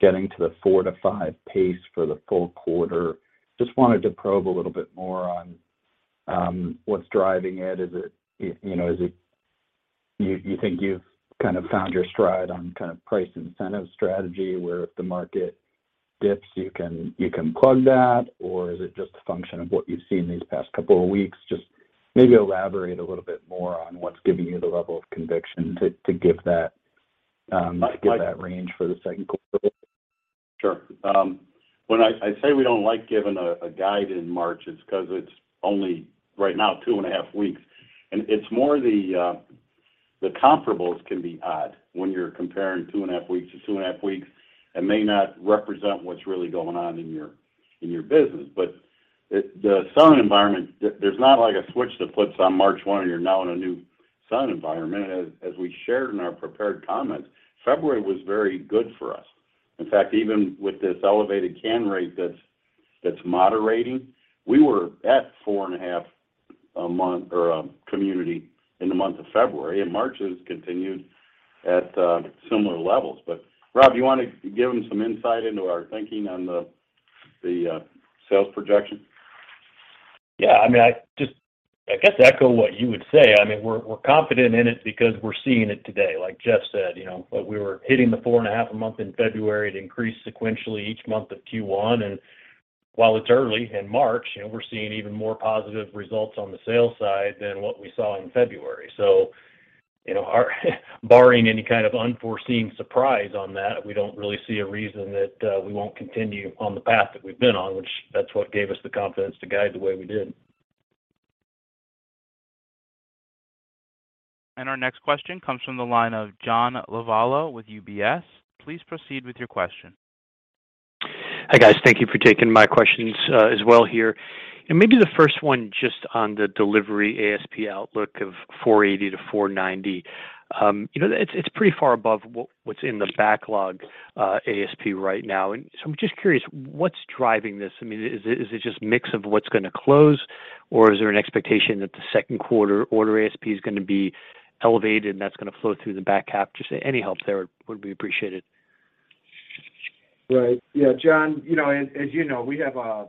getting to the four to five pace for the full quarter, just wanted to probe a little bit more on what's driving it? Is it, you know, is it you think you've kind of found your stride on kind of price incentive strategy, where if the market dips, you can plug that? Is it just a function of what you've seen these past couple of weeks? Just maybe elaborate a little bit more on what's giving you the level of conviction to give that range for the second quarter. Sure. When I say we don't like giving a guide in March, it's 'cause it's only right now 2 and a half weeks. It's more the comparables can be odd when you're comparing 2 and a half weeks to 2 and a half weeks and may not represent what's really going on in your business. The spring environment, there's not like a switch to flip on March 1, and you're now in a new spring environment. As we shared in our prepared comments, February was very good for us. In fact, even with this elevated can rate that's moderating, we were at 4 and a half a month or community in the month of February, and March has continued at similar levels. Rob, you want to give them some insight into our thinking on the sales projection? I mean, I just, I guess, echo what you would say. I mean, we're confident in it because we're seeing it today. Like Jeff said, you know, we were hitting the 4.5 a month in February. It increased sequentially each month of Q1. While it's early in March, you know, we're seeing even more positive results on the sales side than what we saw in February. You know, our barring any kind of unforeseen surprise on that, we don't really see a reason that we won't continue on the path that we've been on, which that's what gave us the confidence to guide the way we did. Our next question comes from the line of John Lovallo with UBS. Please proceed with your question. Hi, guys. Thank you for taking my questions, as well here. Maybe the first one just on the delivery ASP outlook of $480-$490. You know, it's pretty far above what's in the backlog, ASP right now. I'm just curious what's driving this. I mean, is it just mix of what's going to close, or is there an expectation that the second quarter order ASP is going to be elevated and that's going to flow through the back half? Just any help there would be appreciated. Right. John, you know, as you know, we have a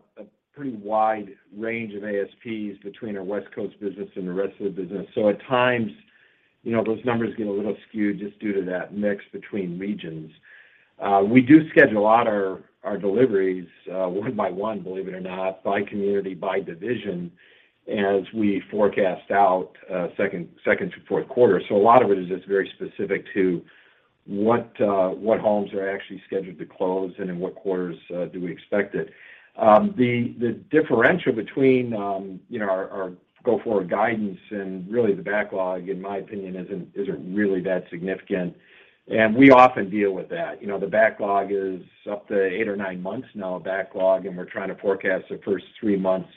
pretty wide range of ASPs between our West Coast business and the rest of the business. At times, you know, those numbers get a little skewed just due to that mix between regions. We do schedule out our deliveries, one by one, believe it or not, by community, by division, as we forecast out second to fourth quarter. A lot of it is just very specific to what homes are actually scheduled to close and in what quarters do we expect it. The differential between, you know, our go forward guidance and really the backlog, in my opinion, isn't really that significant. We often deal with that. The backlog is up to 8 or 9 months now of backlog, and we're trying to forecast the first 3 months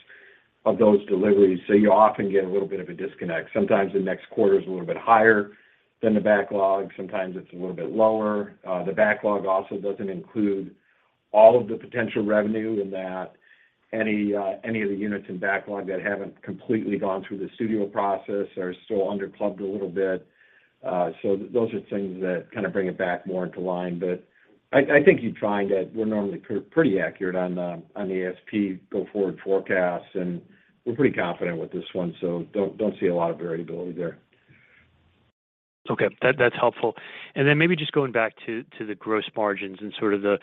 of those deliveries. You often get a little bit of a disconnect. Sometimes the next quarter is a little bit higher than the backlog. Sometimes it's a little bit lower. The backlog also doesn't include all of the potential revenue in that any of the units in backlog that haven't completely gone through the studio process are still under clubbed a little bit. Those are things that kind of bring it back more into line. I think you're trying to We're normally pretty accurate on the ASP go forward forecasts, and we're pretty confident with this one, so don't see a lot of variability there. Okay. That's helpful. Then maybe just going back to the gross margins and sort of the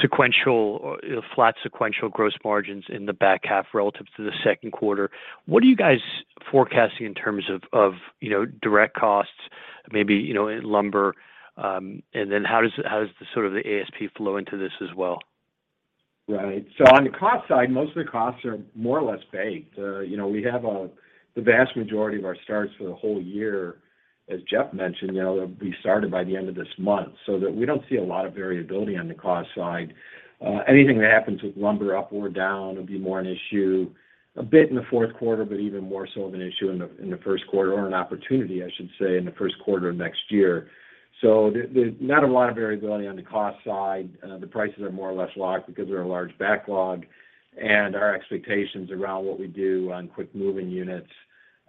sequential, flat sequential gross margins in the back half relative to the second quarter. What are you guys forecasting in terms of, you know, direct costs, maybe, you know, lumber, and then how does the sort of the ASP flow into this as well? Right. On the cost side, most of the costs are more or less baked. You know, we have the vast majority of our starts for the whole year, as Jeff mentioned, you know, be started by the end of this month, so that we don't see a lot of variability on the cost side. Anything that happens with lumber up or down would be more an issue a bit in the fourth quarter, but even more so of an issue in the first quarter or an opportunity, I should say, in the first quarter of next year. Not a lot of variability on the cost side. The prices are more or less locked because we're a large backlog, and our expectations around what we do on quick move-in units,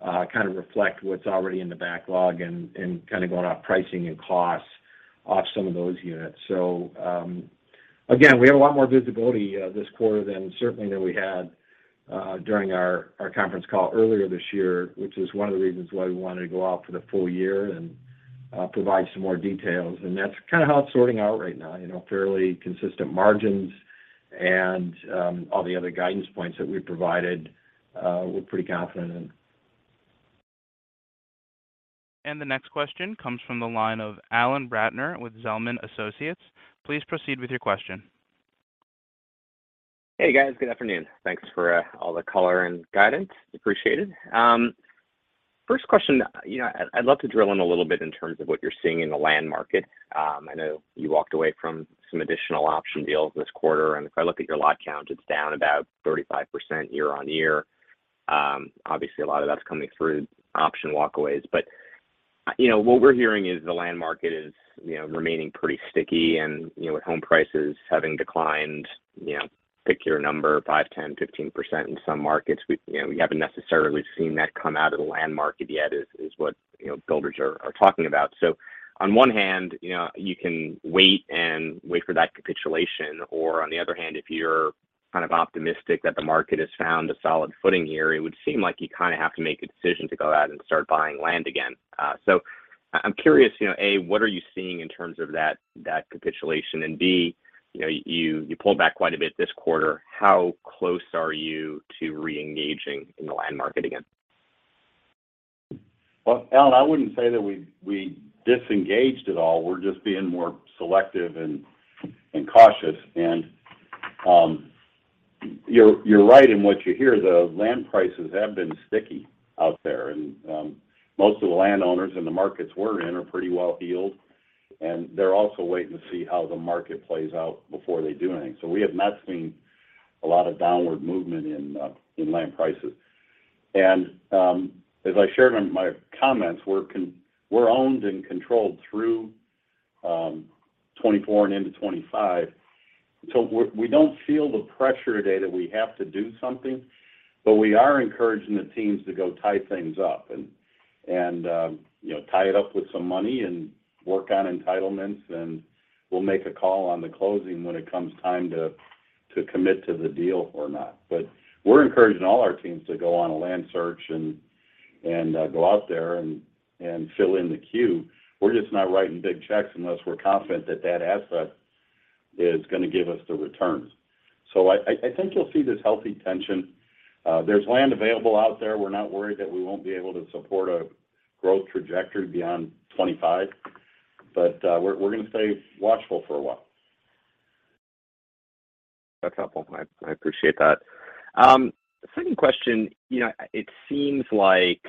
kind of reflect what's already in the backlog and kind of going off pricing and costs off some of those units. Again, we have a lot more visibility this quarter than certainly than we had during our conference call earlier this year, which is one of the reasons why we wanted to go out for the full year. Provide some more details. That's kind of how it's sorting out right now, you know, fairly consistent margins and, all the other guidance points that we provided, we're pretty confident in. The next question comes from the line of Alan Ratner with Zelman & Associates. Please proceed with your question. Hey, guys. Good afternoon. Thanks for all the color and guidance. Appreciated. First question, you know, I'd love to drill in a little bit in terms of what you're seeing in the land market. I know you walked away from some additional option deals this quarter. If I look at your lot count, it's down about 35% year-on-year. Obviously, a lot of that's coming through option walkaways. You know, what we're hearing is the land market is, you know, remaining pretty sticky, and, you know, with home prices having declined, you know, pick your number, 5%, 10%, 15% in some markets. We, you know, haven't necessarily seen that come out of the land market yet, is what, you know, builders are talking about. On one hand, you know, you can wait and wait for that capitulation, or on the other hand, if you're kind of optimistic that the market has found a solid footing here, it would seem like you kind of have to make a decision to go out and start buying land again. I'm curious, you know, A, what are you seeing in terms of that capitulation? B, you know, you pulled back quite a bit this quarter. How close are you to reengaging in the land market again? Well, Alan, I wouldn't say that we disengaged at all. We're just being more selective and cautious. You're right in what you hear, the land prices have been sticky out there. Most of the landowners in the markets we're in are pretty well-heeled, and they're also waiting to see how the market plays out before they do anything. We have not seen a lot of downward movement in land prices. As I shared on my comments, we're owned and controlled through 2024 and into 2025. We don't feel the pressure today that we have to do something. We are encouraging the teams to go tie things up and, you know, tie it up with some money and work on entitlements, we'll make a call on the closing when it comes time to commit to the deal or not. We're encouraging all our teams to go on a land search and, go out there and fill in the queue. We're just not writing big checks unless we're confident that that asset is going to give us the returns. I think you'll see this healthy tension. There's land available out there. We're not worried that we won't be able to support a growth trajectory beyond 2025, we're going to stay watchful for a while. That's helpful. I appreciate that. Second question. You know, it seems like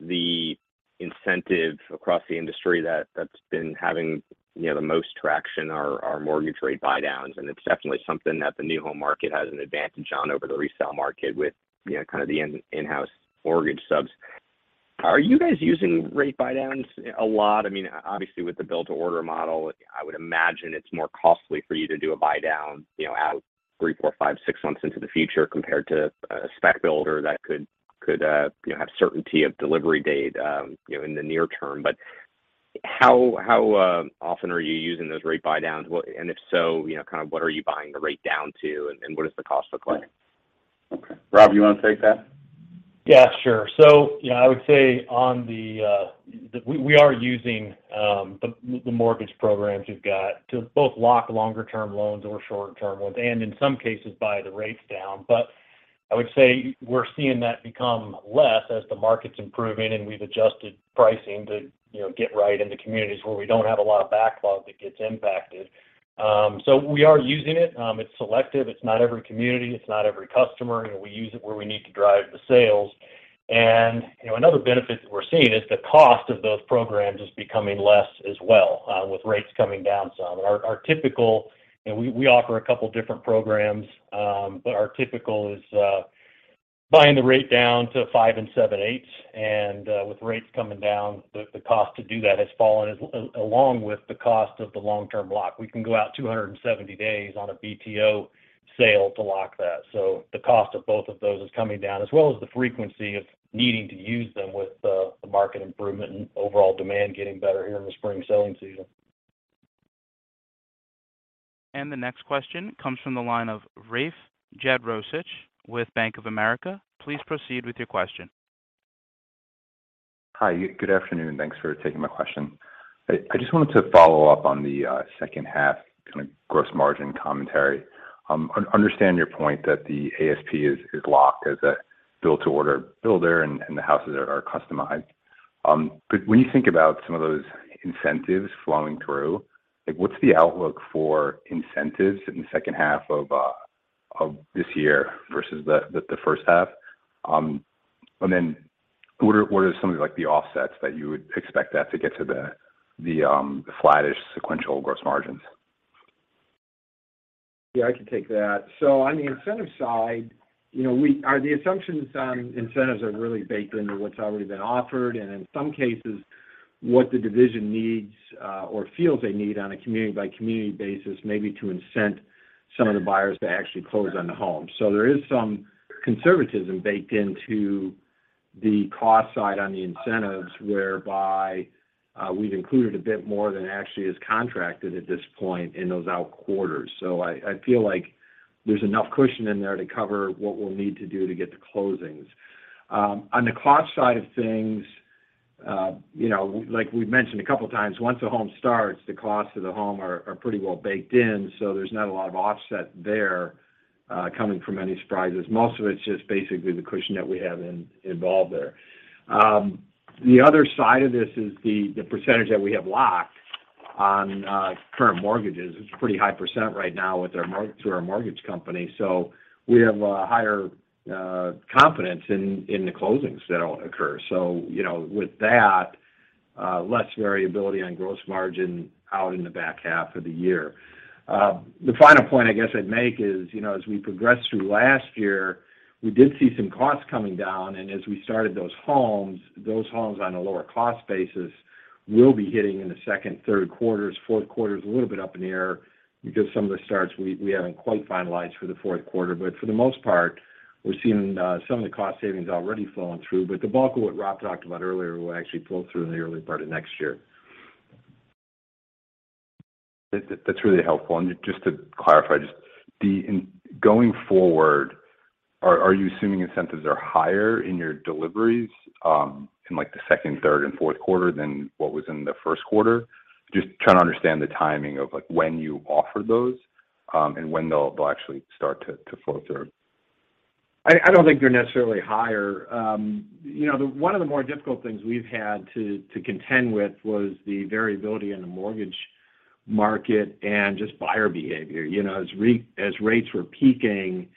the incentive across the industry that's been having, you know, the most traction are mortgage rate buydowns, and it's definitely something that the new home market has an advantage on over the resale market with, you know, kind of the in-house mortgage subs. Are you guys using rate buydowns a lot? I mean, obviously, with the Built to Order model, I would imagine it's more costly for you to do a buydown, you know, out three, four, five, six months into the future compared to a spec builder that could, you know, have certainty of delivery date, you know, in the near term. How often are you using those rate buydowns? if so, you know, kind of what are you buying the rate down to, and what does the cost look like? Okay. Rob, you wanna take that? Sure. You know, I would say on the we are using the mortgage programs we've got to both lock longer-term loans or shorter-term loans and in some cases buy the rates down. I would say we're seeing that become less as the market's improving, and we've adjusted pricing to, you know, get right in the communities where we don't have a lot of backlog that gets impacted. We are using it. It's selective. It's not every community. It's not every customer. You know, we use it where we need to drive the sales. You know, another benefit that we're seeing is the cost of those programs is becoming less as well, with rates coming down some. Our typical You know, we offer a couple different programs, but our typical is buying the rate down to five and seven-eighths. With rates coming down, the cost to do that has fallen along with the cost of the long-term lock. We can go out 270 days on a BTO sale to lock that. The cost of both of those is coming down as well as the frequency of needing to use them with the market improvement and overall demand getting better here in the spring selling season. The next question comes from the line of Rafe Jadrosich with Bank of America. Please proceed with your question. Hi. Good afternoon. Thanks for taking my question. I just wanted to follow up on the second half kind of gross margin commentary. Understand your point that the ASP is locked as a Built to Order builder and the houses are customized. But when you think about some of those incentives flowing through, like, what's the outlook for incentives in the second half of this year versus the first half? And then what are some of, like, the offsets that you would expect that to get to the flattish sequential gross margins?, I can take that. On the incentive side, you know, we The assumptions on incentives are really baked into what's already been offered and in some cases, what the division needs or feels they need on a community by community basis, maybe to incent some of the buyers to actually close on the home. There is some conservatism baked into the cost side on the incentives whereby we've included a bit more than actually is contracted at this point in those out quarters. I feel like There's enough cushion in there to cover what we'll need to do to get the closings. On the cost side of things, you know, like we've mentioned a couple of times, once a home starts, the costs of the home are pretty well baked in, so there's not a lot of offset there, coming from any surprises. Most of it's just basically the cushion that we have involved there. The other side of this is the percentage that we have locked on current mortgages. It's pretty high percent right now through our mortgage company. We have a higher confidence in the closings that'll occur. You know, with that, less variability on gross margin out in the back half of the year. The final point I guess I'd make is, you know, as we progress through last year, we did see some costs coming down, and as we started those homes, those homes on a lower cost basis will be hitting in the second, third quarters, fourth quarter is a little bit up in the air because some of the starts we haven't quite finalized for the fourth quarter. For the most part, we're seeing some of the cost savings already flowing through. The bulk of what Rob talked about earlier will actually flow through in the early part of next year. That's really helpful. Just to clarify, just in going forward, are you assuming incentives are higher in your deliveries, in like the second, third and fourth quarter than what was in the first quarter? Just trying to understand the timing of, like, when you offer those, and when they'll actually start to flow through. I don't think they're necessarily higher. you know, one of the more difficult things we've had to contend with was the variability in the mortgage market and just buyer behavior. You know, as rates were peaking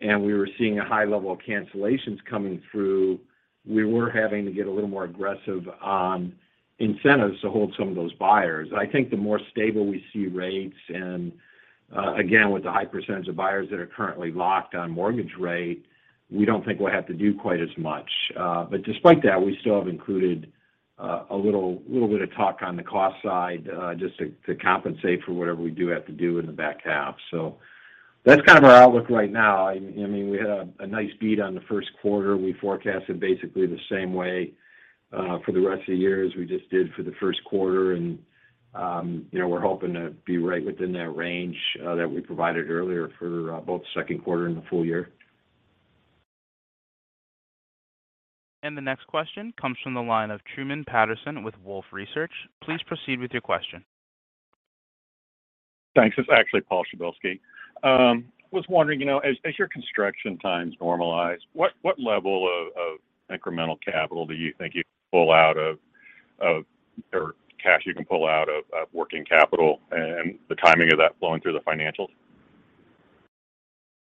and we were seeing a high level of cancellations coming through, we were having to get a little more aggressive on incentives to hold some of those buyers. I think the more stable we see rates and again, with the high percentage of buyers that are currently locked on mortgage rate, we don't think we'll have to do quite as much. Despite that, we still have included a little bit of tuck on the cost side, just to compensate for whatever we do have to do in the back half. That's kind of our outlook right now. I mean, we had a nice beat on the first quarter. We forecasted basically the same way for the rest of the year as we just did for the first quarter. You know, we're hoping to be right within that range that we provided earlier for both second quarter and the full year. The next question comes from the line of Truman Patterson with Wolfe Research. Please proceed with your question. Thanks. It's actually Paul Przybylski. Was wondering, you know, as your construction times normalize, what level of incremental capital do you think you can pull out of or cash you can pull out of working capital and the timing of that flowing through the financials?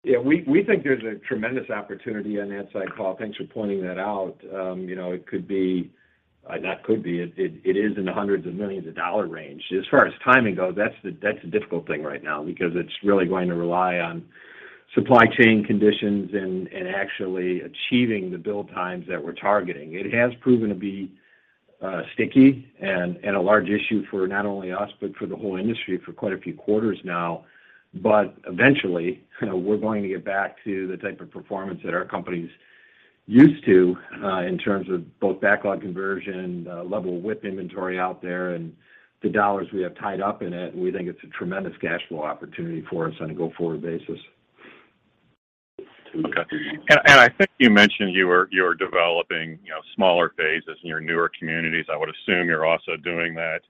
We think there's a tremendous opportunity on that side, Paul. Thanks for pointing that out. you know, it is in the hundreds of millions of dollars range. As far as timing goes, that's the difficult thing right now because it's really going to rely on supply chain conditions and actually achieving the build times that we're targeting. It has proven to be sticky and a large issue for not only us, but for the whole industry for quite a few quarters now. Eventually, you know, we're going to get back to the type of performance that our company's used to, in terms of both backlog conversion, the level of WIP inventory out there, and the dollars we have tied up in it. We think it's a tremendous cash flow opportunity for us on a go-forward basis. Okay. I think you mentioned you're developing, you know, smaller phases in your newer communities. I would assume you're also doing that,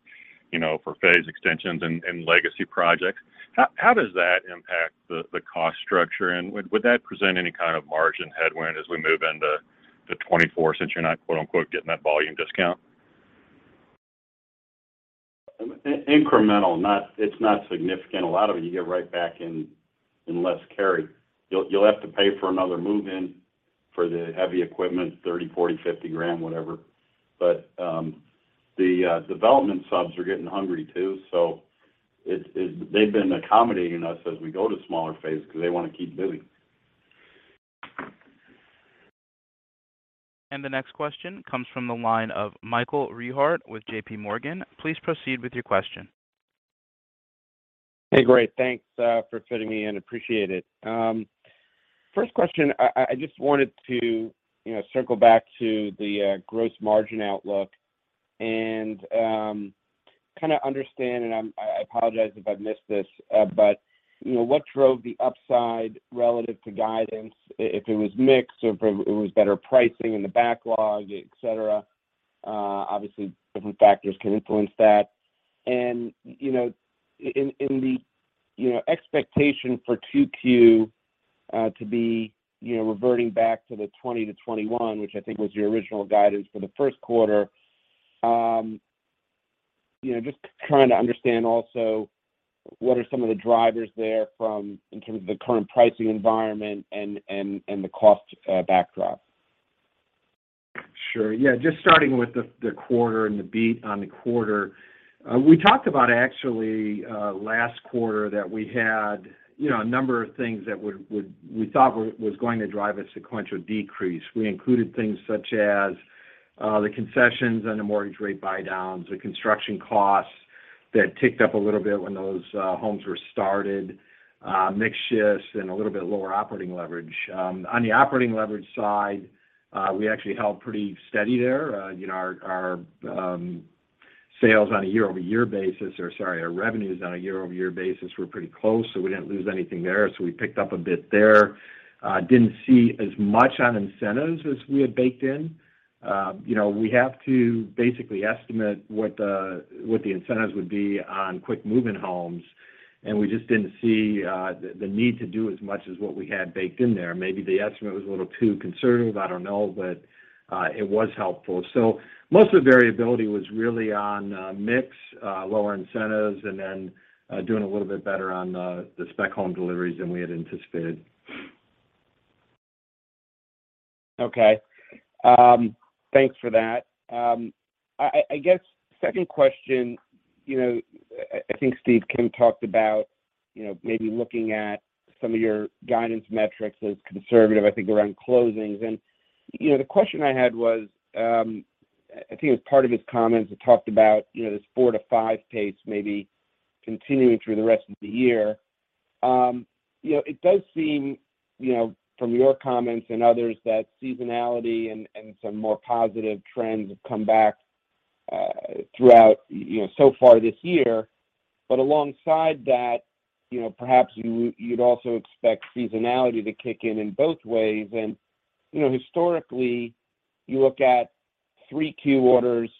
you know, for phase extensions and legacy projects. How does that impact the cost structure, and would that present any kind of margin headwind as we move into 2024 since you're not, quote-unquote, "getting that volume discount"? Incremental, not significant. A lot of it you get right back in less carry. You'll have to pay for another move-in for the heavy equipment, $30,000, $40,000, $50,000, whatever. The development subs are getting hungry too, so they've been accommodating us as we go to smaller phases because they want to keep billing. The next question comes from the line of Michael Rehaut with JPMorgan. Please proceed with your question. Hey, great. Thanks for fitting me in. Appreciate it. First question, I just wanted to, you know, circle back to the gross margin outlook and kind of understand, and I apologize if I've missed this, but, you know, what drove the upside relative to guidance, if it was mix or if it was better pricing in the backlog, et cetera? Obviously, different factors can influence that. You know, in the, you know, expectation for 2Q to be, you know, reverting back to the 20%-21%, which I think was your original guidance for the first quarter, you know, just trying to understand also what are some of the drivers there from in terms of the current pricing environment and the cost backdrop. Sure. Just starting with the quarter and the beat on the quarter. We talked about actually last quarter that we had, you know, a number of things that would we thought was going to drive a sequential decrease. We included things such as the concessions and the mortgage rate buydowns, the construction costs that ticked up a little bit when those homes were started, mix shifts and a little bit lower operating leverage. On the operating leverage side, we actually held pretty steady there. You know, our have to basically estimate what the, what the incentives would be on quick move-in homes, and we just didn't see the need to do as much as what we had baked in there. Maybe the estimate was a little too conservative. I don't know, but it was helpful. So most of the variability was really on mix, lower incentives, and then doing a little bit better on the spec home deliveries than we had anticipated. Thanks for that. I guess second question, you know, I think Stephen Kim talked about, you know, maybe looking at some of your guidance metrics as conservative, I think, around closings. You know, the question I had was, I think it was part of his comments that talked about, you know, this 4-5 pace maybe continuing through the rest of the year. You know, it does seem, you know, from your comments and others that seasonality and some more positive trends have come back throughout, you know, so far this year. Alongside that, you know, perhaps you'd also expect seasonality to kick in in both ways. You know, historically, you look at 3Q orders,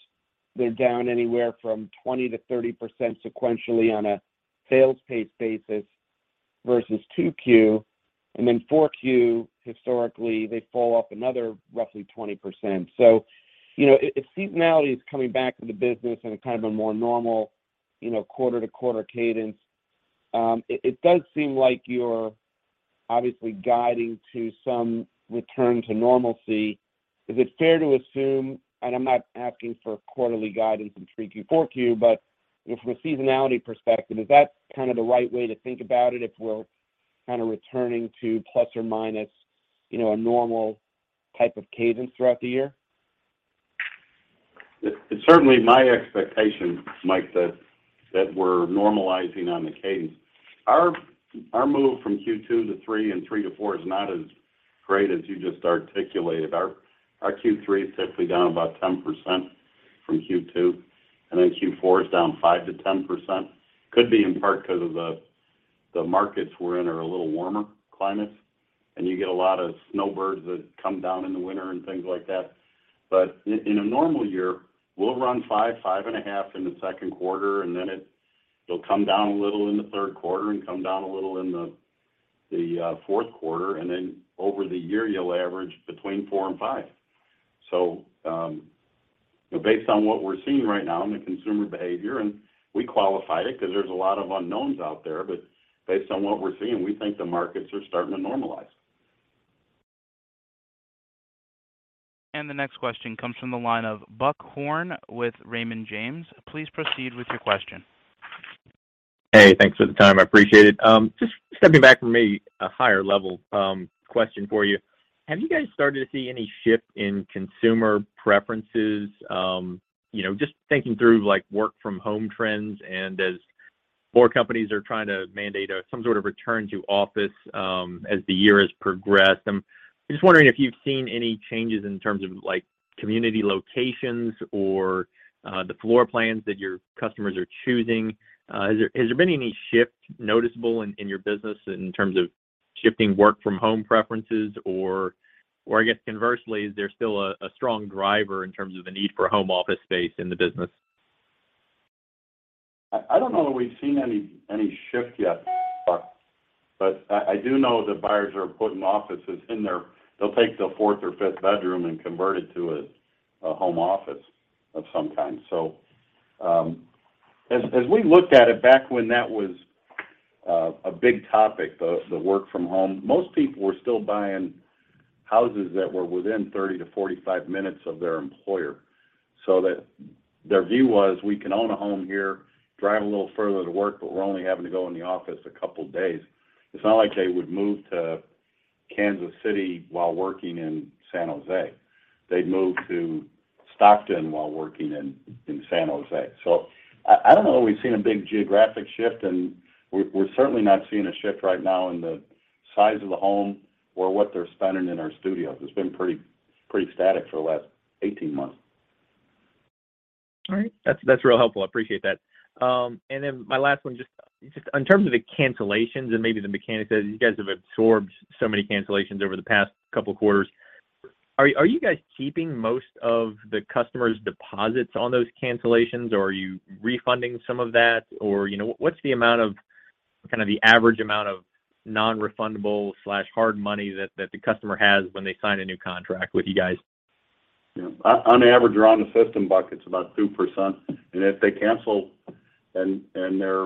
they're down anywhere from 20%-30% sequentially on a sales pace basis versus 2Q. Then 4Q, historically, they fall off another roughly 20%. You know, if seasonality is coming back to the business in a kind of a more normal, you know, quarter-to-quarter cadence, it does seem like you're obviously guiding to some return to normalcy. Is it fair to assume, and I'm not asking for quarterly guidance in 3Q, 4Q, but, you know, from a seasonality perspective, is that kind of the right way to think about it if we're kind of returning to ±, you know, a normal type of cadence throughout the year? It's certainly my expectation, Mike, that we're normalizing on the cadence. Our move from Q2 to 3 and 3 to 4 is not as great as you just articulated. Our Q3 is typically down about 10% from Q2, and then Q4 is down 5%-10%. Could be in part 'cause of the markets we're in are a little warmer climates, and you get a lot of snowbirds that come down in the winter and things like that. In a normal year, we'll run 5 and a half in the second quarter, and then it'll come down a little in the third quarter and come down a little in the fourth quarter, and then over the year, you'll average between 4 and 5. Based on what we're seeing right now in the consumer behavior, and we qualify it 'cause there's a lot of unknowns out there, but based on what we're seeing, we think the markets are starting to normalize. The next question comes from the line of Buck Horne with Raymond James. Please proceed with your question. Hey, thanks for the time. I appreciate it. Just stepping back from a higher level question for you. Have you guys started to see any shift in consumer preferences, you know, just thinking through, like, work from home trends and as more companies are trying to mandate some sort of return to office as the year has progressed. I'm just wondering if you've seen any changes in terms of, like, community locations or the floor plans that your customers are choosing. Has there been any shift noticeable in your business in terms of shifting work from home preferences or I guess conversely, is there still a strong driver in terms of the need for home office space in the business? I don't know that we've seen any shift yet, Buck, but I do know that buyers are putting offices in their They'll take the fourth or fifth bedroom and convert it to a home office of some kind. As we looked at it back when that was a big topic, the work from home, most people were still buying houses that were within 30-45 minutes of their employer. Their view was, "We can own a home here, drive a little further to work, but we're only having to go in the office a couple days." It's not like they would move to Kansas City while working in San Jose. They'd move to Stockton while working in San Jose. I don't know that we've seen a big geographic shift, and we're certainly not seeing a shift right now in the size of the home or what they're spending in our studios. It's been pretty static for the last 18 months. All right. That's real helpful. I appreciate that. My last one, just in terms of the cancellations and maybe the mechanics of it, you guys have absorbed so many cancellations over the past couple quarters. Are you guys keeping most of the customers' deposits on those cancellations, or are you refunding some of that? You know, what's the amount of, kind of the average amount of non-refundable/hard money that the customer has when they sign a new contract with you guys? On average, around the system, Buck, it's about 2%. If they cancel and they're,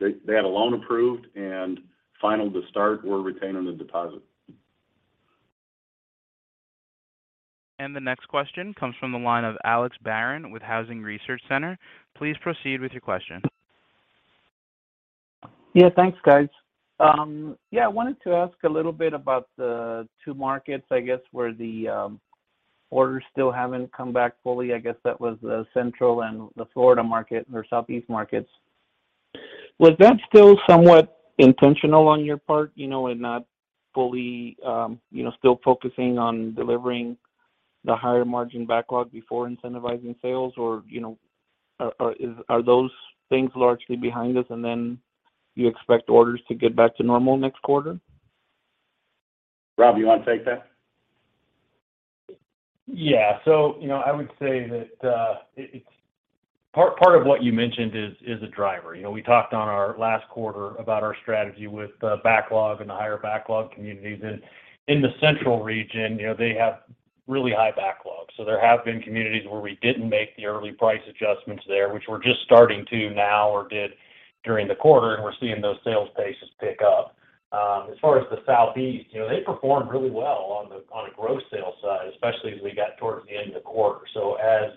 they had a loan approved and final to start, we're retaining the deposit. The next question comes from the line of Alex Barron with Housing Research Center. Please proceed with your question. Thanks, guys. I wanted to ask a little bit about the two markets, I guess, where the orders still haven't come back fully. I guess that was the Central and the Florida market or Southeast markets. Was that still somewhat intentional on your part, you know, and not fully, you know, still focusing on delivering the higher margin backlog before incentivizing sales? You know, are those things largely behind us and then you expect orders to get back to normal next quarter? Rob, you want to take that? You know, I would say that Part of what you mentioned is a driver. You know, we talked on our last quarter about our strategy with the backlog and the higher backlog communities. In the central region, you know, they have really high backlogs. There have been communities where we didn't make the early price adjustments there, which we're just starting to now or did during the quarter, and we're seeing those sales paces pick up. As far as the southeast, you know, they performed really well on a gross sales side, especially as we got towards the end of the quarter. As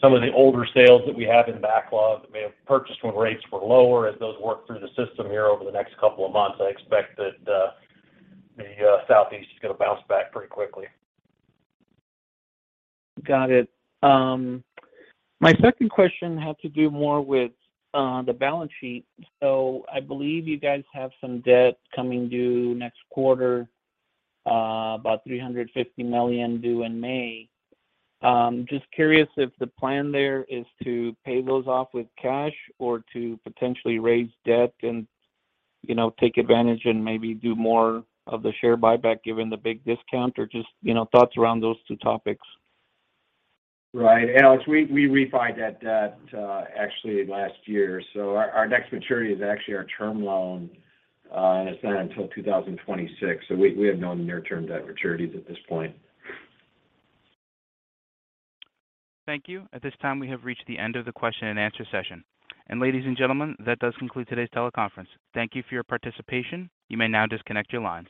some of the older sales that we have in backlog that may have purchased when rates were lower, as those work through the system here over the next couple of months, I expect that the Southeast is gonna bounce back pretty quickly. Got it. My second question had to do more with the balance sheet. I believe you guys have some debt coming due next quarter, about $350 million due in May. Just curious if the plan there is to pay those off with cash or to potentially raise debt and, you know, take advantage and maybe do more of the share buyback given the big discount or just, you know, thoughts around those two topics. Right. Alex, we refined that debt actually last year. Our next maturity is actually our term loan and it's not until 2026. We have no near term debt maturities at this point. Thank you. At this time, we have reached the end of the question and answer session. Ladies and gentlemen, that does conclude today's teleconference. Thank you for your participation. You may now disconnect your lines.